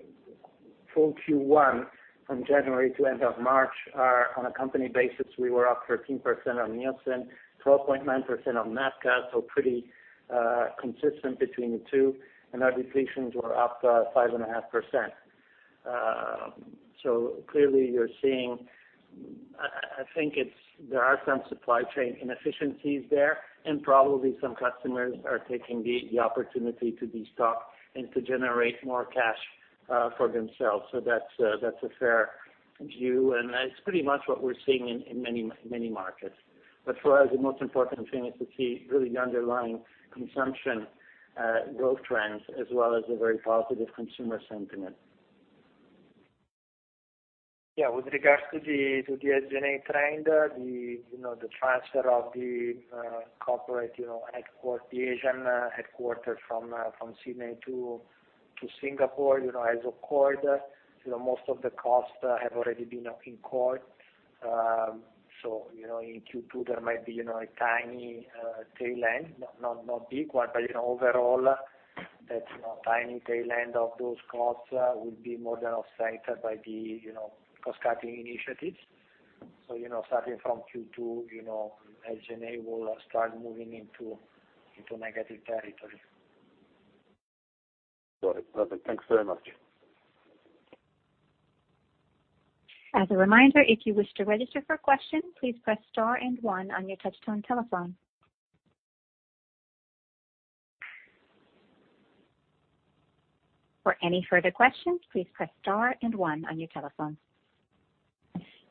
full Q1 from January to end of March, are on a company basis, we were up 13% on Nielsen, 12.9% on NABCA, pretty consistent between the two, and our depletions were up 5.5%. Clearly you're seeing, I think there are some supply chain inefficiencies there, and probably some customers are taking the opportunity to de-stock and to generate more cash for themselves. That's a fair view, and that's pretty much what we're seeing in many markets. For us, the most important thing is to see really the underlying consumption growth trends, as well as the very positive consumer sentiment. With regards to the SG&A trend, the transfer of the corporate Asian headquarters from Sydney to Singapore has occurred. Most of the costs have already been incurred. In Q2, there might be a tiny tail end, not big one, but overall, that tiny tail end of those costs will be more than offset by the cost cutting initiatives. Starting from Q2, SG&A will start moving into negative territory. Got it. Perfect. Thanks very much. As a reminder, if you wish to register for a question, please press star and one on your touch tone telephone. For any further questions, please press star and one on your telephone.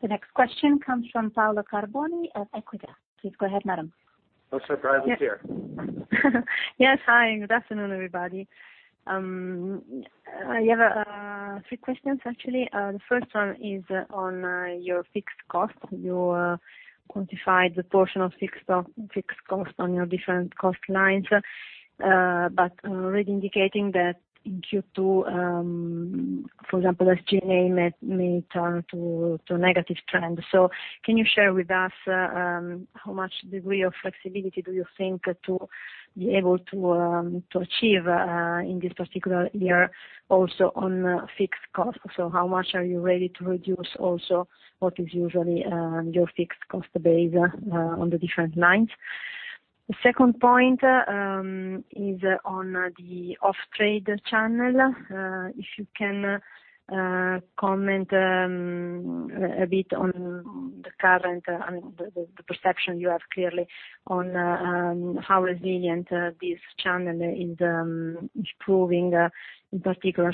The next question comes from Paola Carboni of Equita. Please go ahead, madam. No surprises here. Yes. Hi, good afternoon, everybody. I have three questions, actually. The first one is on your fixed cost. You quantified the portion of fixed cost on your different cost lines, already indicating that in Q2, for example, SG&A may turn to a negative trend. Can you share with us how much degree of flexibility do you think to be able to achieve in this particular year, also on fixed cost? How much are you ready to reduce also what is usually your fixed cost base on the different lines? The second point is on the off-trade channel. If you can comment a bit on the current, the perception you have clearly, on how resilient this channel is proving, in particular.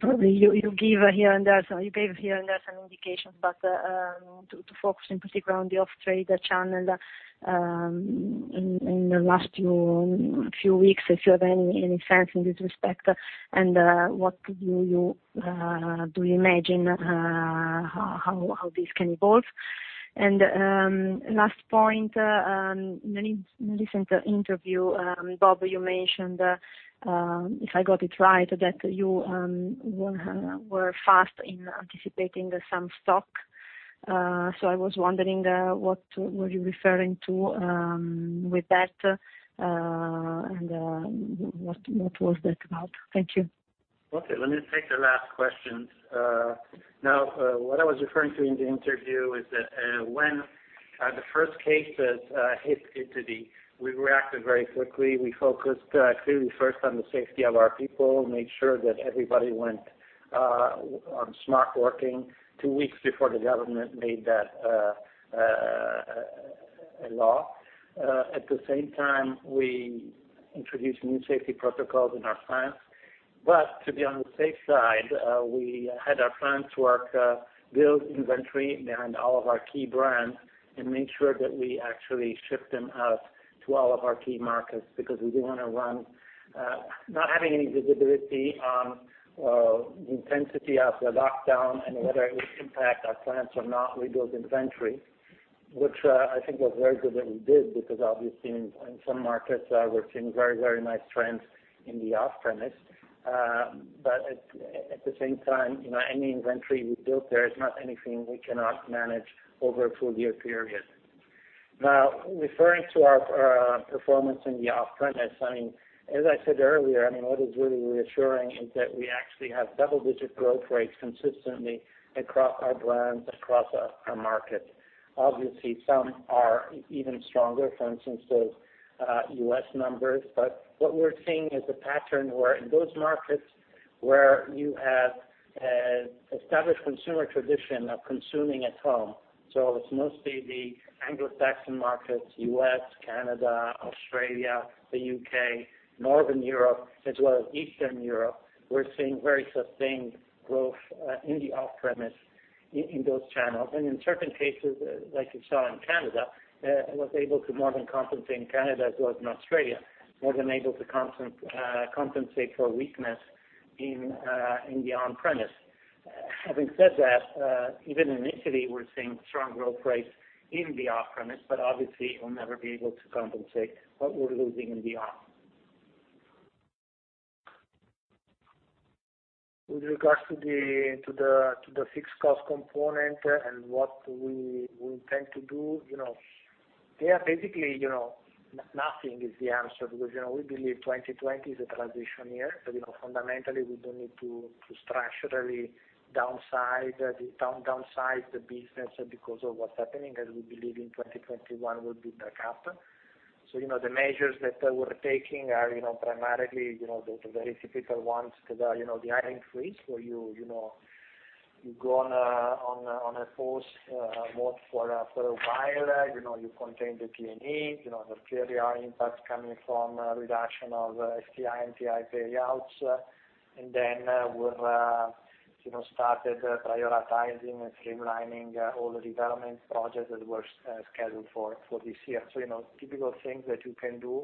Probably you give here and there some indications. To focus in particular on the off-trade channel in the last few weeks, if you have any sense in this respect, what do you imagine how this can evolve? Last point, in a recent interview, Bob, you mentioned, if I got it right, that you were fast in anticipating some stock. I was wondering what were you referring to with that, and what was that about? Thank you. Okay, let me take the last question. What I was referring to in the interview is that when the first cases hit Italy, we reacted very quickly. We focused clearly first on the safety of our people, made sure that everybody went on smart working two weeks before the government made that a law. At the same time, we introduced new safety protocols in our plants. To be on the safe side, we had our plants build inventory behind all of our key brands and made sure that we actually shipped them out to all of our key markets because we didn't want to run. Not having any visibility on the intensity of the lockdown and whether it would impact our plants or not. We built inventory, which I think was very good that we did, because obviously in some markets, we're seeing very nice trends in the off-premise. At the same time, any inventory we built there is not anything we cannot manage over a full year period. Referring to our performance in the off-premise, as I said earlier, what is really reassuring is that we actually have double-digit growth rates consistently across our brands, across our markets. Some are even stronger. For instance, those U.S. numbers. What we're seeing is a pattern where in those markets where you have established consumer tradition of consuming at home, so it's mostly the Anglo-Saxon markets, U.S., Canada, Australia, the U.K., Northern Europe, as well as Eastern Europe. We're seeing very sustained growth in the off-premise in those channels. In certain cases, like you saw in Canada, was able to more than compensate in Canada as well as in Australia, more than able to compensate for weakness in the on-premise. Having said that, even in Italy, we're seeing strong growth rates in the off-premise, obviously, we'll never be able to compensate what we're losing in the on. With regards to the fixed cost component and what we intend to do. Yeah, basically, nothing is the answer, because we believe 2020 is a transition year. Fundamentally, we don't need to structurally downsize the business because of what's happening, as we believe in 2021 will be back up. The measures that we're taking are primarily those very typical ones that are the hiring freeze, where you go on a pause mode for a while. You contain the T&E. The clear impact coming from reduction of STI and LTI payouts. We've started prioritizing and streamlining all the development projects that were scheduled for this year. Typical things that you can do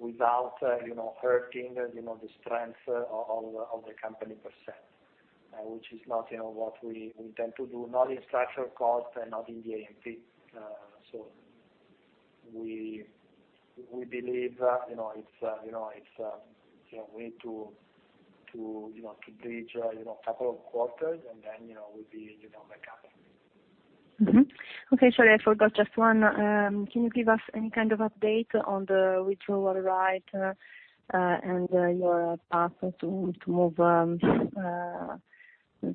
without hurting the strength of the company per se, which is not what we intend to do, not in structural cost and not in the A&P. We believe it's a way to bridge a couple of quarters, and then we'll be back up. Okay, sorry, I forgot just one. Can you give us any kind of update on the withdrawal right, and your path to move to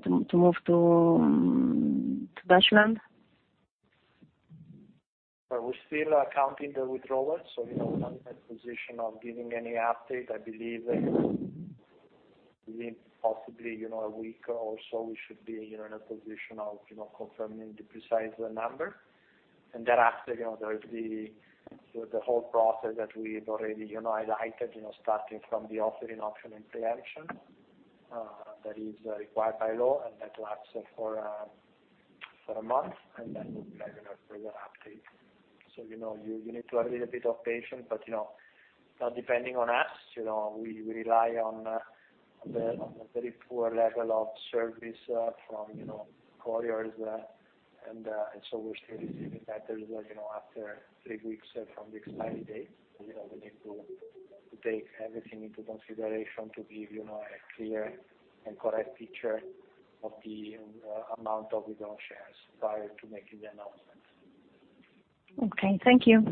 Belgium? We're still counting the withdrawal, so we're not in a position of giving any update. I believe within possibly a week or so, we should be in a position of confirming the precise number. Thereafter, there is the whole process that we've already highlighted, starting from the offering option and pre-emption that is required by law, and that lasts for one month. Then we'll have a further update. You need to have a little bit of patience, but not depending on us. We rely on a very poor level of service from couriers, so we're still receiving letters after three weeks from the expiry date. We need to take everything into consideration to give a clear and correct picture of the amount of withdrawn shares prior to making the announcement. Okay, thank you.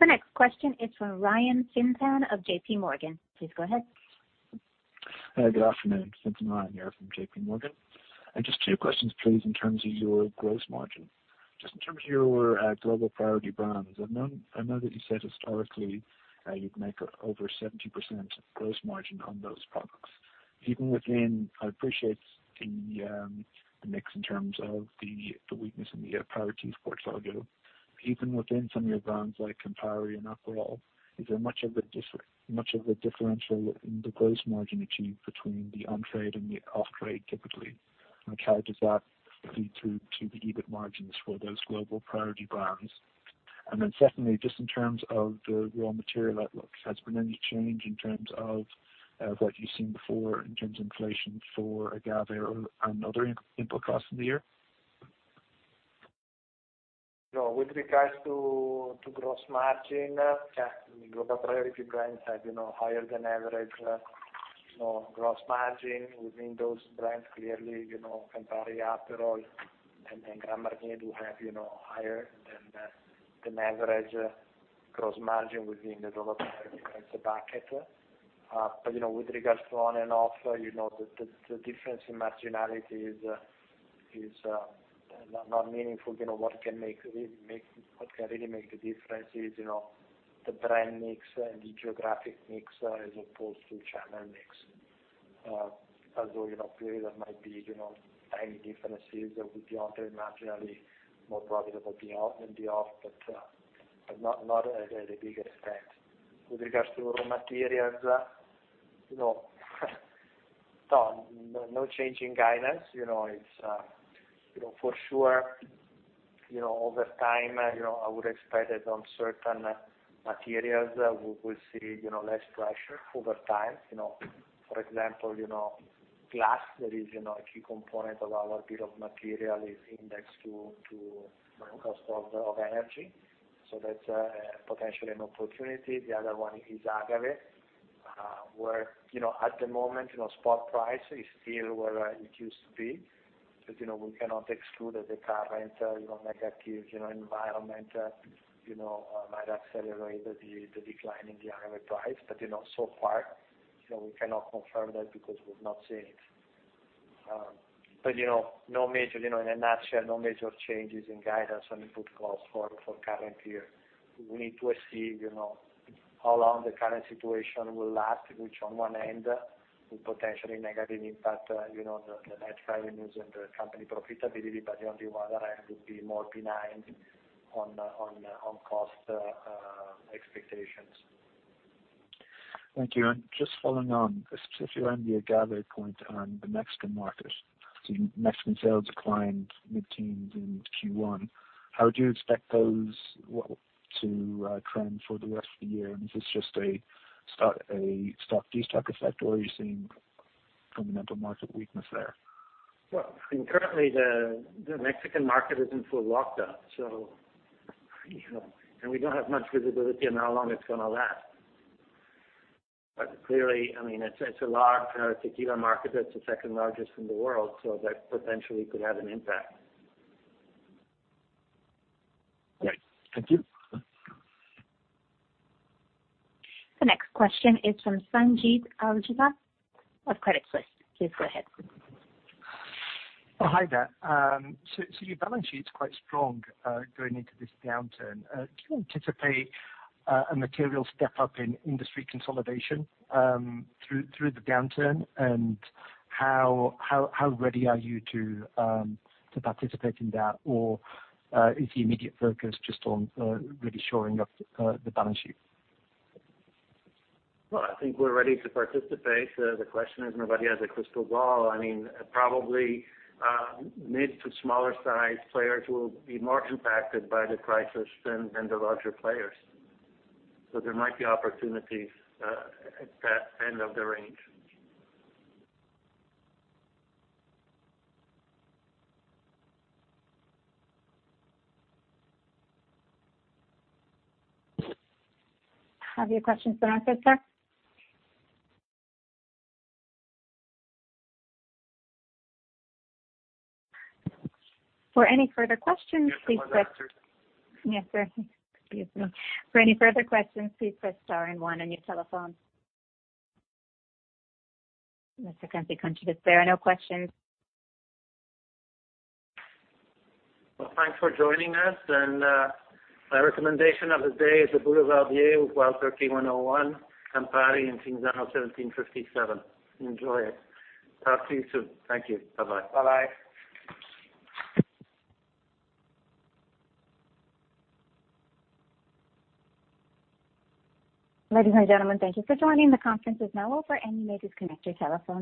The next question is from Ryan Fintan of JPMorgan. Please go ahead. Hi, good afternoon. Fintan Ryan here from JPMorgan. Just two questions, please, in terms of your gross margin. Just in terms of your global priority brands, I know that you said historically you'd make over 70% gross margin on those products. Even within, I appreciate the mix in terms of the weakness in the priority portfolio. Even within some of your brands like Campari and Aperol, is there much of a differential in the gross margin achieved between the on-trade and the off-trade, typically? How does that feed through to the EBIT margins for those global priority brands? Secondly, just in terms of the raw material outlook, has there been any change in terms of what you've seen before in terms of inflation for agave or another input cost in the year? No. With regards to gross margin, the global priority brands have higher than average gross margin within those brands. Campari, Aperol, and Grand Marnier do have higher than the average gross margin within the global difference bucket. With regards to on and off, the difference in marginality is not meaningful. What can really make the difference is the brand mix and the geographic mix as opposed to channel mix. There might be tiny differences with the on-trade marginally more profitable than the off, not a very big effect. With regards to raw materials, no change in guidance. Over time, I would expect it on certain materials, we will see less pressure over time. For example, glass, that is a key component of our bill of materials, is indexed to cost of energy. That's potentially an opportunity. The other one is agave, where at the moment, spot price is still where it used to be. We cannot exclude that the current negative environment might accelerate the decline in the agave price. So far, we cannot confirm that because we've not seen it. In a nutshell, no major changes in guidance on input costs for current year. We need to see how long the current situation will last, which on one end will potentially negatively impact the net revenues and the company profitability, but on the other end will be more benign on cost expectations. Thank you. Just following on, specifically around the agave point on the Mexican market. Mexican sales declined mid-teens in Q1. How would you expect those to trend for the rest of the year? Is this just a de-stock effect, or are you seeing fundamental market weakness there? Well, currently, the Mexican market is in full lockdown. We don't have much visibility on how long it's going to last. Clearly, it's a large tequila market. It's the second largest in the world, so that potentially could have an impact. Great. Thank you. The next question is from Sanjeet Aujla of Credit Suisse. Please go ahead. Oh, hi there. Your balance sheet's quite strong going into this downturn. Do you anticipate a material step-up in industry consolidation through the downturn? How ready are you to participate in that? Is the immediate focus just on really shoring up the balance sheet? Well, I think we're ready to participate. The question is, nobody has a crystal ball. Probably mid to smaller size players will be more impacted by the crisis than the larger players. There might be opportunities at that end of the range. Have your question been answered, sir? For any further questions, please press Yes. Was that answered? Yes, sir. Excuse me. For any further questions, please press star and one on your telephone. Mr. Kunze-Concewitz, there are no questions. Well, thanks for joining us, and my recommendation of the day is the Boulevardier with Wild Turkey 101, Campari, and Cinzano 1757. Enjoy it. Talk to you soon. Thank you. Bye-bye. Bye-bye. Ladies and gentlemen, thank you for joining. The conference is now over, and you may disconnect your telephones.